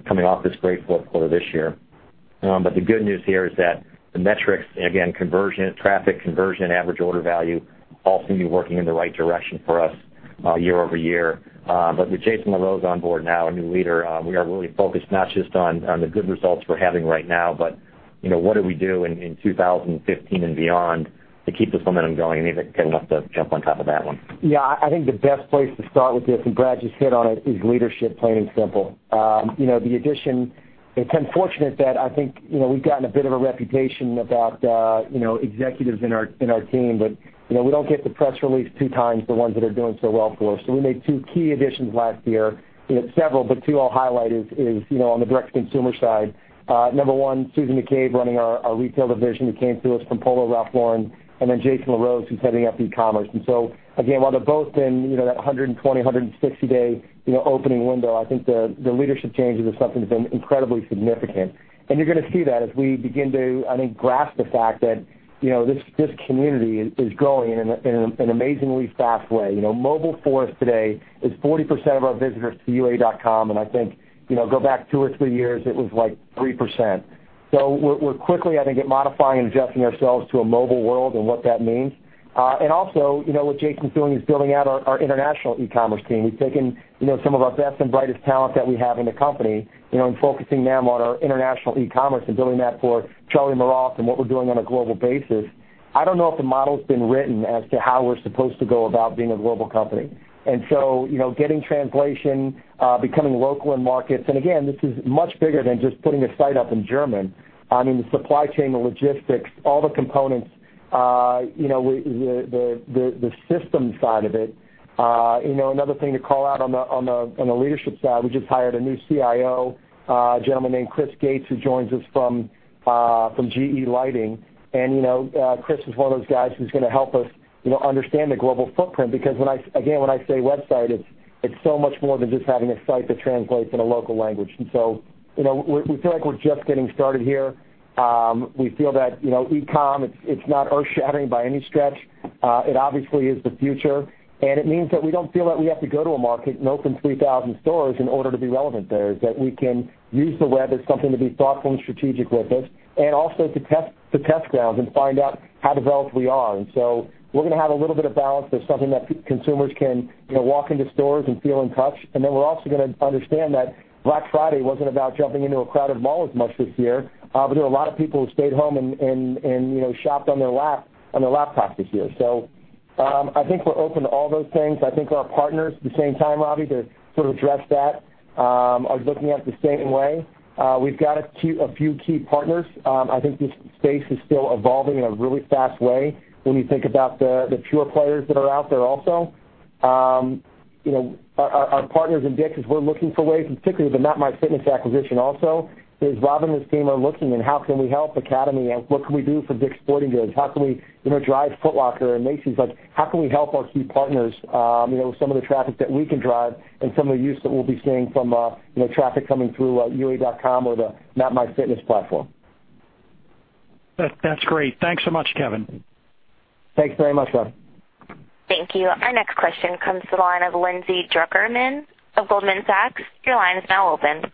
coming off this great fourth quarter this year. The good news here is that the metrics, again, conversion, traffic conversion, average order value, all seem to be working in the right direction for us year-over-year. With Jason LaRose on board now, a new leader, we are really focused not just on the good results we're having right now, but what do we do in 2015 and beyond to keep this momentum going? Maybe, Kevin, I'll have to jump on top of that one. I think the best place to start with this, and Brad just hit on it, is leadership, plain and simple. The addition, it's unfortunate that I think we've gotten a bit of a reputation about executives in our team, but we don't get the press release two times the ones that are doing so well for us. We made two key additions last year, several, but two I'll highlight is on the direct-to-consumer side. Number one, Susie McCabe running our retail division, who came to us from Polo Ralph Lauren, then Jason LaRose, who's heading up e-commerce. While they've both been that 120, 160-day opening window, I think the leadership changes are something that's been incredibly significant. You're going to see that as we begin to, I think, grasp the fact that this community is growing in an amazingly fast way. Mobile for us today is 40% of our visitors to ua.com. I think go back 2 or 3 years, it was like 3%. We're quickly, I think, at modifying and adjusting ourselves to a mobile world and what that means. Also, what Jason's doing is building out our international e-commerce team. He's taken some of our best and brightest talent that we have in the company and focusing them on our international e-commerce and building that for Charlie Maurath and what we're doing on a global basis. I don't know if the model's been written as to how we're supposed to go about being a global company. Getting translation, becoming local in markets, and again, this is much bigger than just putting a site up in German. The supply chain, the logistics, all the components, the system side of it. Another thing to call out on the leadership side, we just hired a new CIO, a gentleman named Chris Gates, who joins us from GE Lighting. Chris is one of those guys who's going to help us understand the global footprint because, again, when I say website, it's so much more than just having a site that translates in a local language. We feel like we're just getting started here. We feel that e-com, it's not earth-shattering by any stretch. It obviously is the future, and it means that we don't feel that we have to go to a market and open 3,000 stores in order to be relevant there. That we can use the web as something to be thoughtful and strategic with it, and also as a test ground and find out how developed we are. We're going to have a little bit of balance. There's something that consumers can walk into stores and feel and touch. Then we're also going to understand that Black Friday wasn't about jumping into a crowded mall as much this year. There were a lot of people who stayed home and shopped on their laptops this year. I think we're open to all those things. I think our partners, at the same time, Robbie, to sort of address that, are looking at it the same way. We've got a few key partners. I think this space is still evolving in a really fast way when you think about the pure players that are out there also. Our partners in Dick's, we're looking for ways, particularly with the MapMyFitness acquisition also, Rob and his team are looking at how can we help Academy and what can we do for Dick's Sporting Goods. How can we drive Foot Locker and Macy's? How can we help our key partners with some of the traffic that we can drive and some of the use that we'll be seeing from traffic coming through ua.com or the MapMyFitness platform. That's great. Thanks so much, Kevin. Thanks very much, Rob. Thank you. Our next question comes to the line of Lindsay Drucker Mann of Goldman Sachs. Your line is now open.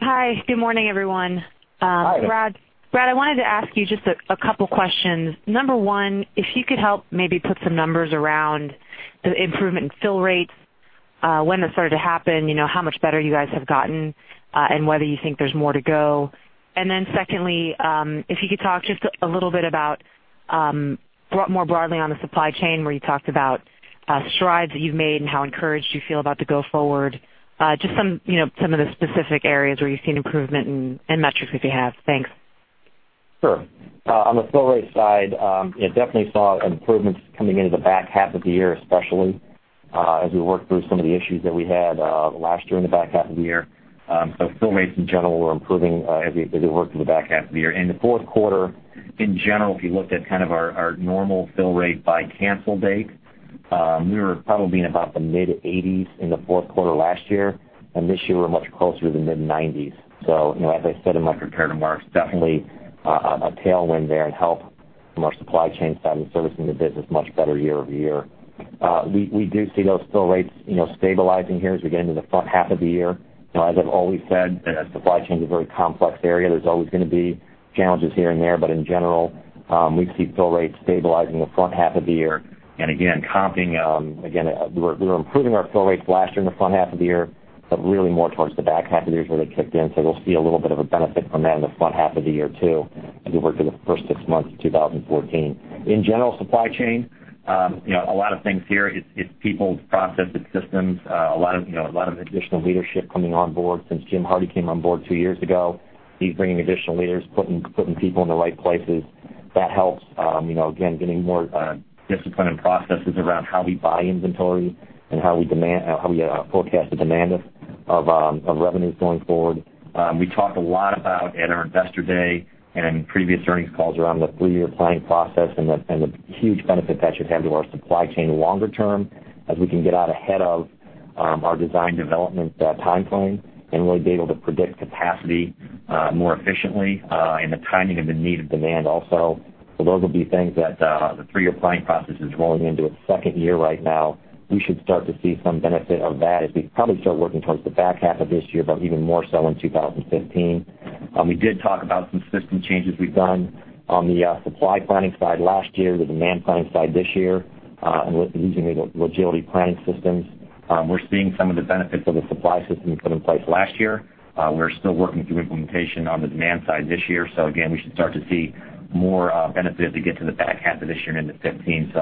Hi, good morning, everyone. Hi. Brad, I wanted to ask you just a couple questions. Number one, if you could help maybe put some numbers around the improvement in fill rates, when that started to happen, how much better you guys have gotten, and whether you think there's more to go. Secondly, if you could talk just a little bit about more broadly on the supply chain, where you talked about strides that you've made and how encouraged you feel about the go forward. Just some of the specific areas where you've seen improvement and metrics, if you have. Thanks. Sure. On the fill rate side, definitely saw improvements coming into the back half of the year, especially as we worked through some of the issues that we had last year in the back half of the year. Fill rates in general were improving as we worked through the back half of the year. In the fourth quarter, in general, if you looked at our normal fill rate by cancel date, we were probably in about the mid-80s in the fourth quarter last year, and this year we're much closer to the mid-90s. As I said on my prepared remarks, definitely a tailwind there and help from our supply chain side and servicing the business much better year-over-year. We do see those fill rates stabilizing here as we get into the front half of the year. As I've always said, supply chain is a very complex area. There's always going to be challenges here and there, but in general, we see fill rates stabilizing the front half of the year. Again, we were improving our fill rates last year in the front half of the year, but really more towards the back half of the year is where they kicked in. We'll see a little bit of a benefit from that in the front half of the year, too, as we work through the first six months of 2014. In general, supply chain, a lot of things here. It's people, processes, systems, a lot of additional leadership coming on board since Jim Hardy came on board two years ago. He's bringing additional leaders, putting people in the right places. That helps. Again, getting more discipline and processes around how we buy inventory and how we forecast the demand of revenues going forward. We talked a lot about, at our investor day and previous earnings calls, around the three-year planning process and the huge benefit that should have to our supply chain longer term as we can get out ahead of our design development timeline and really be able to predict capacity more efficiently and the timing of the need of demand also. Those will be things that the three-year planning process is rolling into its second year right now. We should start to see some benefit of that as we probably start working towards the back half of this year, but even more so in 2015. We did talk about some system changes we've done on the supply planning side last year, the demand planning side this year, and using the agility planning systems. We're seeing some of the benefits of the supply system we put in place last year. We're still working through implementation on the demand side this year. Again, we should start to see more benefit as we get to the back half of this year into 2015.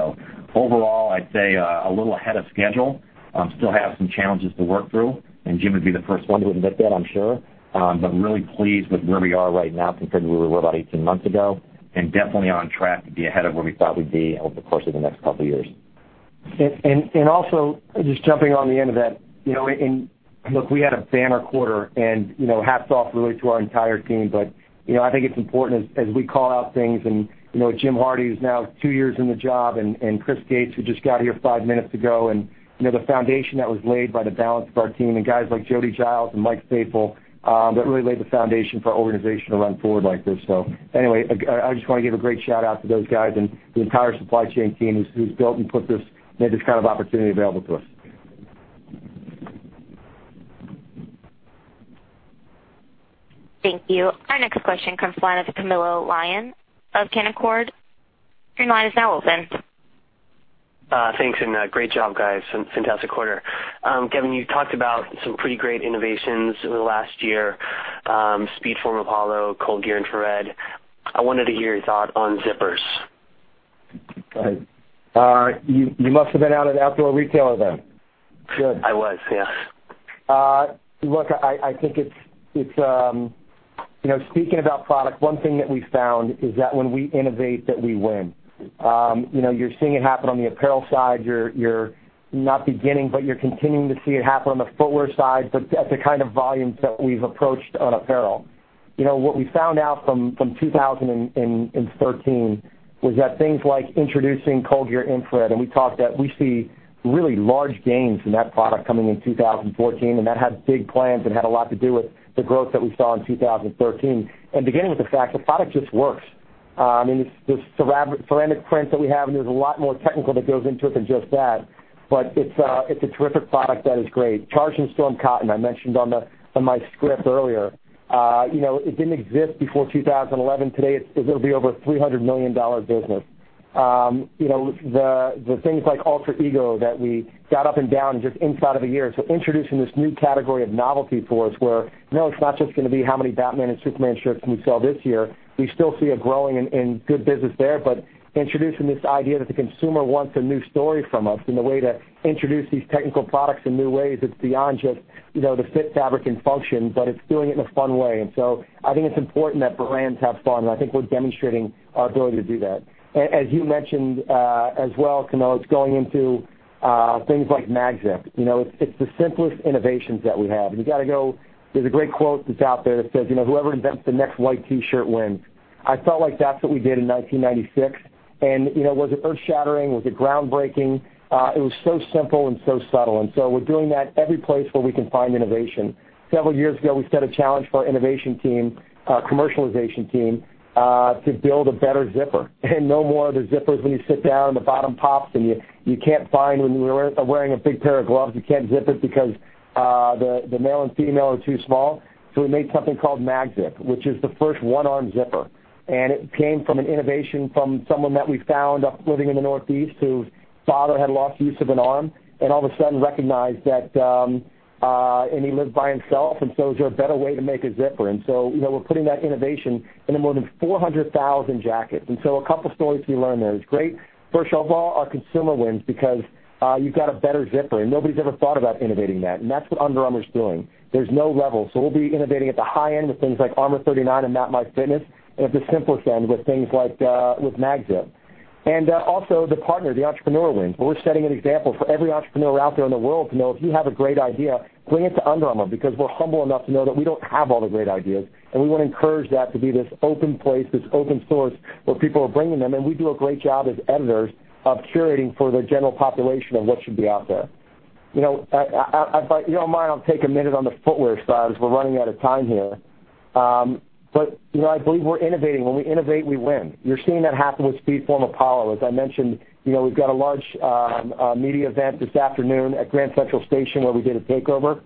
Overall, I'd say a little ahead of schedule. Still have some challenges to work through, and Jim would be the first one to admit that, I'm sure. Really pleased with where we are right now compared to where we were about 18 months ago, and definitely on track to be ahead of where we thought we'd be over the course of the next couple of years. Also, just jumping on the end of that. Look, we had a banner quarter, and hats off, really, to our entire team. I think it's important as we call out things, and with Jim Hardy, who's now two years in the job, and Chris Gates, who just got here five minutes ago, and the foundation that was laid by the balance of our team and guys like Jody Giles and Mike Staple that really laid the foundation for our organization to run forward like this. Anyway, I just want to give a great shout-out to those guys and the entire supply chain team who's built and made this kind of opportunity available to us. Thank you. Our next question comes the line of Camilo Lyon of Canaccord. Your line is now open. Thanks, great job, guys. Fantastic quarter. Kevin, you talked about some pretty great innovations over the last year, SpeedForm Apollo, ColdGear Infrared. I wanted to hear your thought on zippers. Right. You must have been out at an outdoor retailer then. Good. I was, yes. Look, speaking about product, one thing that we found is that when we innovate, that we win. You're seeing it happen on the apparel side. You're not beginning, but you're continuing to see it happen on the footwear side, but at the kind of volumes that we've approached on apparel. What we found out from 2013 was that things like introducing ColdGear Infrared, we see really large gains in that product coming in 2014, that had big plans and had a lot to do with the growth that we saw in 2013. Beginning with the fact, the product just works. I mean, this ceramic print that we have, and there's a lot more technical that goes into it than just that, but it's a terrific product that is great. Charged and Storm Cotton, I mentioned on my script earlier. It didn't exist before 2011. Today, it'll be over a $300 million business. The things like Alter Ego that we got up and down just inside of a year. Introducing this new category of novelty for us where, no, it's not just going to be how many Batman and Superman shirts can we sell this year. We still see a growing and good business there, but introducing this idea that the consumer wants a new story from us and a way to introduce these technical products in new ways that's beyond just the fit, fabric, and function, but it's doing it in a fun way. I think it's important that brands have fun, and I think we're demonstrating our ability to do that. As you mentioned as well, Camilo, it's going into things like MagZip. It's the simplest innovations that we have. There's a great quote that's out there that says, "Whoever invents the next white T-shirt wins." I felt like that's what we did in 1996. Was it earth-shattering? Was it groundbreaking? It was so simple and so subtle. We're doing that every place where we can find innovation. Several years ago, we set a challenge for our innovation team, commercialization team, to build a better zipper. No more of the zippers when you sit down, the bottom pops, and when you're wearing a big pair of gloves, you can't zip it because the male and female are too small. We made something called MagZip, which is the first one-arm zipper. It came from an innovation from someone that we found living in the Northeast whose father had lost use of an arm, and all of a sudden recognized that. He lived by himself. Is there a better way to make a zipper? We're putting that innovation into more than 400,000 jackets. A couple stories we learned there. It's great. First of all, our consumer wins because you've got a better zipper, and nobody's ever thought about innovating that. That's what Under Armour's doing. There's no level. We'll be innovating at the high end with things like Armour39 and MapMyFitness, and at the simplest end with things like with MagZip. Also the partner, the entrepreneur wins. We're setting an example for every entrepreneur out there in the world to know if you have a great idea, bring it to Under Armour because we're humble enough to know that we don't have all the great ideas, and we want to encourage that to be this open place, this open source where people are bringing them, and we do a great job as editors of curating for the general population of what should be out there. If you don't mind, I'll take a minute on the footwear side as we're running out of time here. I believe we're innovating. When we innovate, we win. You're seeing that happen with SpeedForm Apollo. As I mentioned, we've got a large media event this afternoon at Grand Central Station where we did a takeover.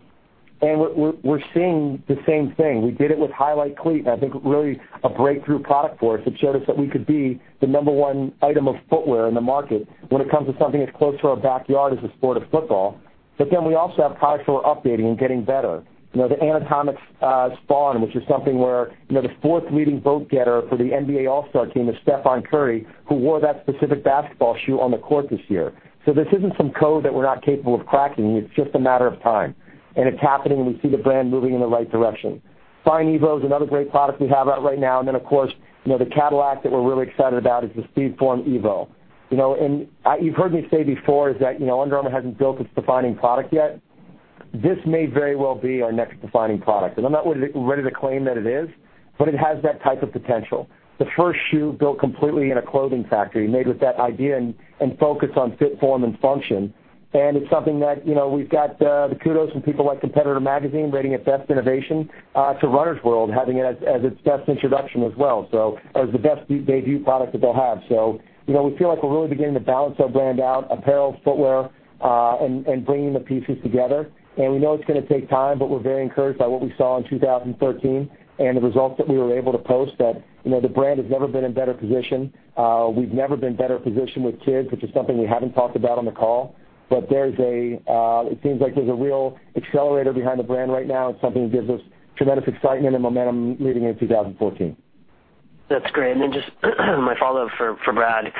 We're seeing the same thing. We did it with Highlight Cleat, I think really a breakthrough product for us that showed us that we could be the number one item of footwear in the market when it comes to something as close to our backyard as the sport of football. We also have products that we're updating and getting better. The Anatomix Spawn, which is something where the fourth leading vote getter for the NBA All-Star team is Stephen Curry, who wore that specific basketball shoe on the court this year. This isn't some code that we're not capable of cracking. It's just a matter of time. It's happening, and we see the brand moving in the right direction. Spine Evo is another great product we have out right now. Of course, the Cadillac that we're really excited about is the SpeedForm Evo. You've heard me say before is that Under Armour hasn't built its defining product yet. This may very well be our next defining product. I'm not ready to claim that it is, but it has that type of potential. The first shoe built completely in a clothing factory, made with that idea and focus on fit, form, and function. It's something that we've got the kudos from people like Competitor Magazine rating it best innovation to Runner's World having it as its best introduction as well, as the best debut product that they'll have. We feel like we're really beginning to balance our brand out, apparel, footwear, and bringing the pieces together. We know it's going to take time, but we're very encouraged by what we saw in 2013 and the results that we were able to post that the brand has never been in better position. We've never been better positioned with kids, which is something we haven't talked about on the call. It seems like there's a real accelerator behind the brand right now. It's something that gives us tremendous excitement and momentum leading into 2014. That's great. Then just my follow-up for Brad,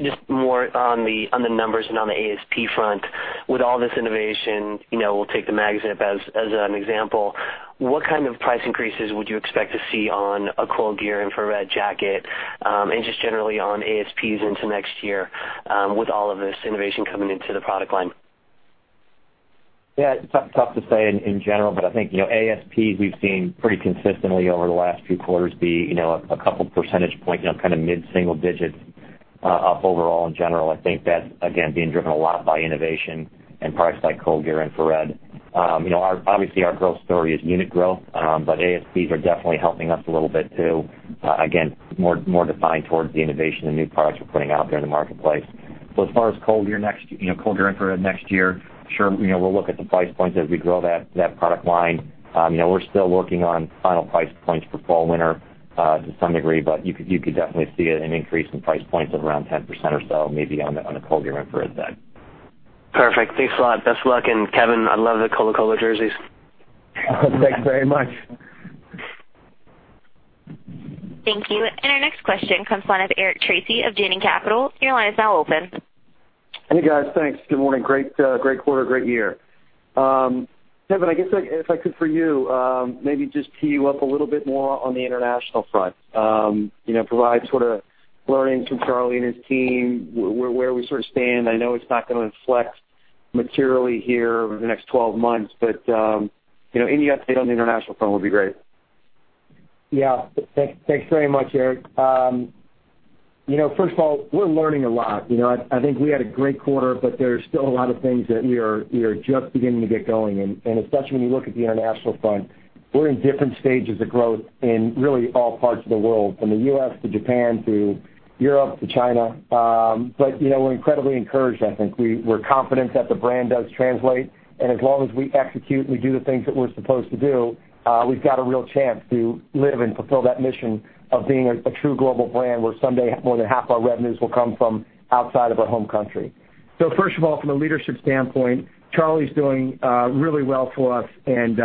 just more on the numbers and on the ASP front. With all this innovation, we'll take the MagZip as an example, what kind of price increases would you expect to see on a ColdGear Infrared jacket and just generally on ASPs into next year with all of this innovation coming into the product line? It's tough to say in general, but I think ASPs we've seen pretty consistently over the last few quarters be a couple percentage point, kind of mid-single digits up overall in general. I think that's, again, being driven a lot by innovation and products like ColdGear Infrared. Obviously, our growth story is unit growth, but ASPs are definitely helping us a little bit, too. Again, more defined towards the innovation and new products we're putting out there in the marketplace. As far as ColdGear Infrared next year, sure, we'll look at the price points as we grow that product line. We're still working on final price points for fall/winter to some degree, but you could definitely see an increase in price points of around 10% or so maybe on the ColdGear Infrared side. Perfect. Thanks a lot. Best luck. Kevin, I love the Colo-Colo jerseys. Thanks very much. Thank you. Our next question comes from Eric Tracy of Janney Capital. Your line is now open. Hey, guys. Thanks. Good morning. Great quarter. Great year. Kevin, I guess, if I could for you, maybe just tee you up a little bit more on the international front. Provide sort of learnings from Charlie and his team, where we sort of stand. I know it's not going to inflect materially here over the next 12 months, any update on the international front would be great. Yeah. Thanks very much, Eric. First of all, we're learning a lot. I think we had a great quarter, there are still a lot of things that we are just beginning to get going. Especially when you look at the international front, we're in different stages of growth in really all parts of the world, from the U.S. to Japan to Europe to China. We're incredibly encouraged, I think. We're confident that the brand does translate, and as long as we execute and we do the things that we're supposed to do, we've got a real chance to live and fulfill that mission of being a true global brand, where someday more than half our revenues will come from outside of our home country. First of all, from a leadership standpoint, Charlie is doing really well for us and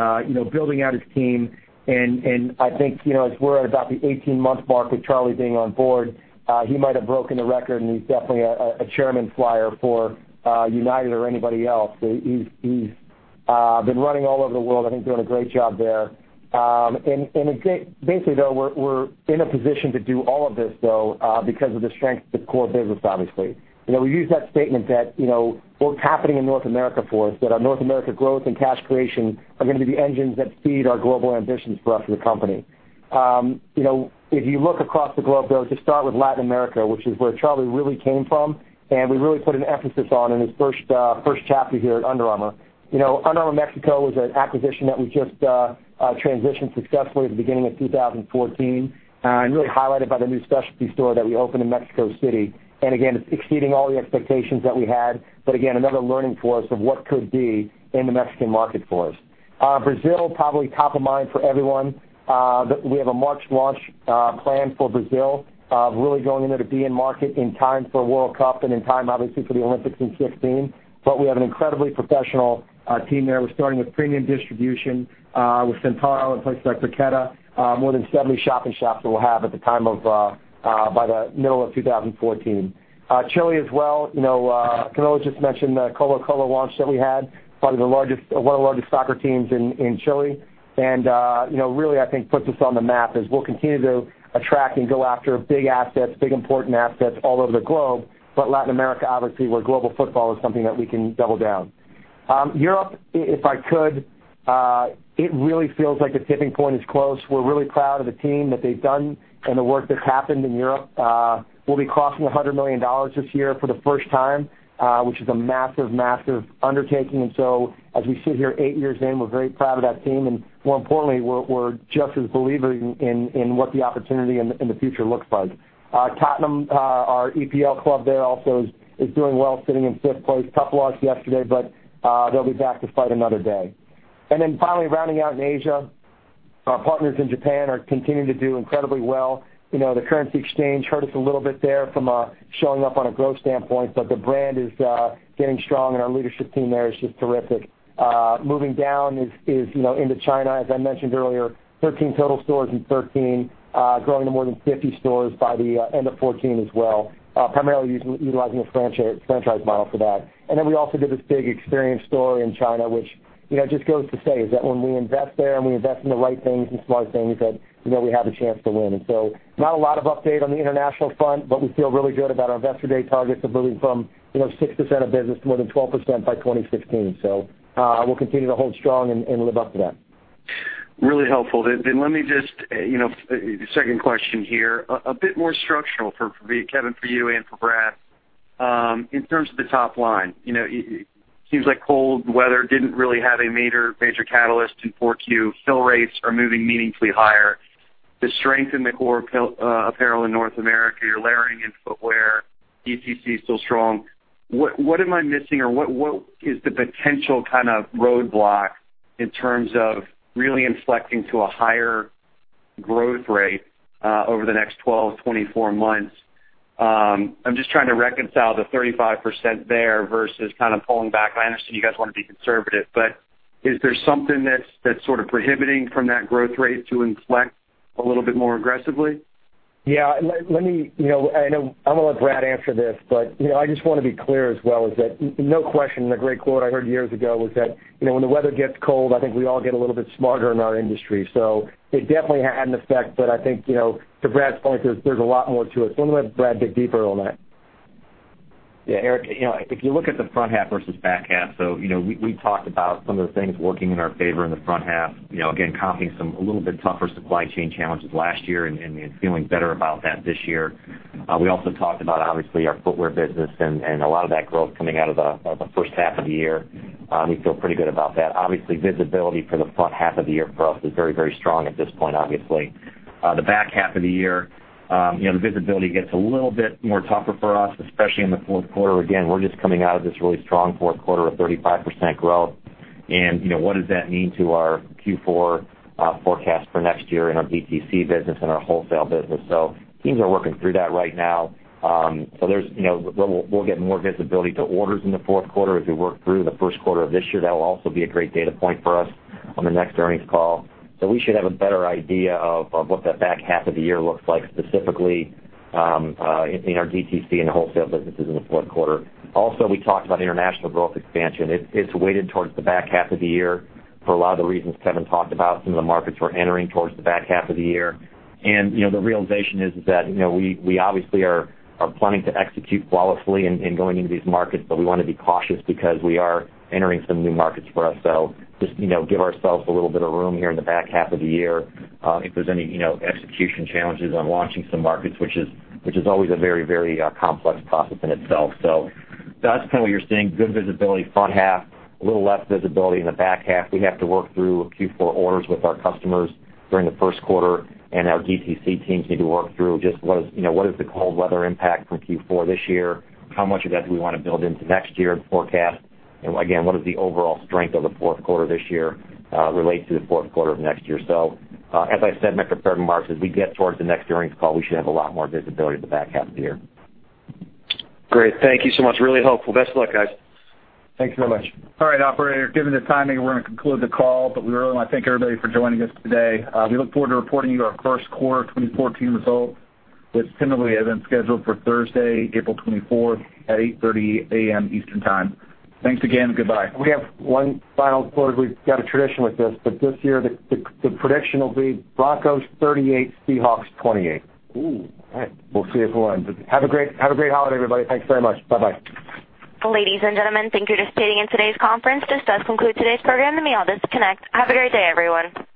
building out his team. I think as we are at about the 18-month mark with Charlie being on board, he might have broken the record, and he is definitely a chairman flyer for United or anybody else. He has been running all over the world. I think doing a great job there. Basically, though, we are in a position to do all of this though because of the strength of the core business, obviously. We use that statement that what is happening in North America for us, that our North America growth and cash creation are going to be the engines that feed our global ambitions for us as a company. If you look across the globe, though, to start with Latin America, which is where Charlie really came from, and we really put an emphasis on in his first chapter here at Under Armour. Under Armour Mexico was an acquisition that we just transitioned successfully at the beginning of 2014 and really highlighted by the new specialty store that we opened in Mexico City. Again, it is exceeding all the expectations that we had. But again, another learning for us of what could be in the Mexican market for us. Brazil, probably top of mind for everyone. We have a March launch plan for Brazil, really going in there to be in market in time for World Cup and in time, obviously, for the Olympics in 2016. But we have an incredibly professional team there. We are starting with premium distribution with Centauro in places like Paquetá. More than 70 shop-in-shops that we will have by the middle of 2014. Chile as well. Camilo just mentioned the Colo-Colo launch that we had, one of the largest soccer teams in Chile. Really, I think puts us on the map as we will continue to attract and go after big assets, big important assets all over the globe. But Latin America, obviously, where global football is something that we can double down. Europe, if I could, it really feels like the tipping point is close. We are really proud of the team, what they have done and the work that has happened in Europe. We will be crossing $100 million this year for the first time, which is a massive undertaking. As we sit here eight years in, we are very proud of that team. More importantly, we are just as believer in what the opportunity in the future looks like. Tottenham, our EPL club there also is doing well, sitting in fifth place. Tough loss yesterday, but they will be back to fight another day. Finally rounding out in Asia, our partners in Japan are continuing to do incredibly well. The currency exchange hurt us a little bit there from showing up on a growth standpoint, but the brand is getting strong and our leadership team there is just terrific. Moving down into China, as I mentioned earlier, 13 total stores in 2013, growing to more than 50 stores by the end of 2014 as well, primarily utilizing the franchise model for that. We also did this big experience store in China, which just goes to say, is that when we invest there and we invest in the right things and smart things, that we have a chance to win. Not a lot of update on the international front, but we feel really good about our Investor Day targets of moving from 6% of business to more than 12% by 2016. We'll continue to hold strong and live up to that. Really helpful. Let me just, second question here, a bit more structural, Kevin, for you and for Brad. In terms of the top line, seems like cold weather didn't really have a major catalyst in 4Q. Fill rates are moving meaningfully higher. The strength in the core apparel in North America, you're layering in footwear. DTC is still strong. What am I missing? Or what is the potential kind of roadblock in terms of really inflecting to a higher growth rate over the next 12, 24 months? I'm just trying to reconcile the 35% there versus kind of pulling back. I understand you guys want to be conservative, but is there something that's sort of prohibiting from that growth rate to inflect a little bit more aggressively? I'm going to let Brad answer this, but I just want to be clear as well, is that no question, and a great quote I heard years ago was that when the weather gets cold, I think we all get a little bit smarter in our industry. It definitely had an effect. I think to Brad's point, there's a lot more to it, so I'm going to let Brad dig deeper on that. Eric, if you look at the front half versus back half, so we talked about some of the things working in our favor in the front half. Again, copying some a little bit tougher supply chain challenges last year and feeling better about that this year. We also talked about, obviously, our footwear business and a lot of that growth coming out of the first half of the year. We feel pretty good about that. Obviously, visibility for the front half of the year for us is very, very strong at this point, obviously. The back half of the year, the visibility gets a little bit more tougher for us, especially in the fourth quarter. Again, we're just coming out of this really strong fourth quarter of 35% growth. What does that mean to our Q4 forecast for next year in our DTC business and our wholesale business? Teams are working through that right now. We'll get more visibility to orders in the fourth quarter as we work through the first quarter of this year. That will also be a great data point for us on the next earnings call. We should have a better idea of what that back half of the year looks like, specifically in our DTC and the wholesale businesses in the fourth quarter. We talked about international growth expansion. It's weighted towards the back half of the year for a lot of the reasons Kevin talked about. Some of the markets we're entering towards the back half of the year. The realization is that we obviously are planning to execute flawlessly in going into these markets, but we want to be cautious because we are entering some new markets for ourselves. Just give ourselves a little bit of room here in the back half of the year if there's any execution challenges on launching some markets, which is always a very complex process in itself. That's kind of what you're seeing. Good visibility front half, a little less visibility in the back half. We have to work through Q4 orders with our customers during the first quarter, and our DTC teams need to work through just what is the cold weather impact from Q4 this year? How much of that do we want to build into next year's forecast? Again, what is the overall strength of the fourth quarter this year relate to the fourth quarter of next year? As I said, [Eric Tracy], as we get towards the next earnings call, we should have a lot more visibility in the back half of the year. Great. Thank you so much. Really helpful. Best of luck, guys. Thank you very much. All right, operator. Given the timing, we're going to conclude the call, but we really want to thank everybody for joining us today. We look forward to reporting you our first quarter 2014 results, which tentatively have been scheduled for Thursday, April 24th at 8:30 A.M. Eastern Time. Thanks again and goodbye. We have one final word. We've got a tradition with this, but this year, the prediction will be Broncos 38, Seahawks 28. Ooh, all right. We'll see if we win. Have a great holiday, everybody. Thanks very much. Bye-bye. Ladies and gentlemen, thank you for participating in today's conference. This does conclude today's program. You may all disconnect. Have a great day, everyone.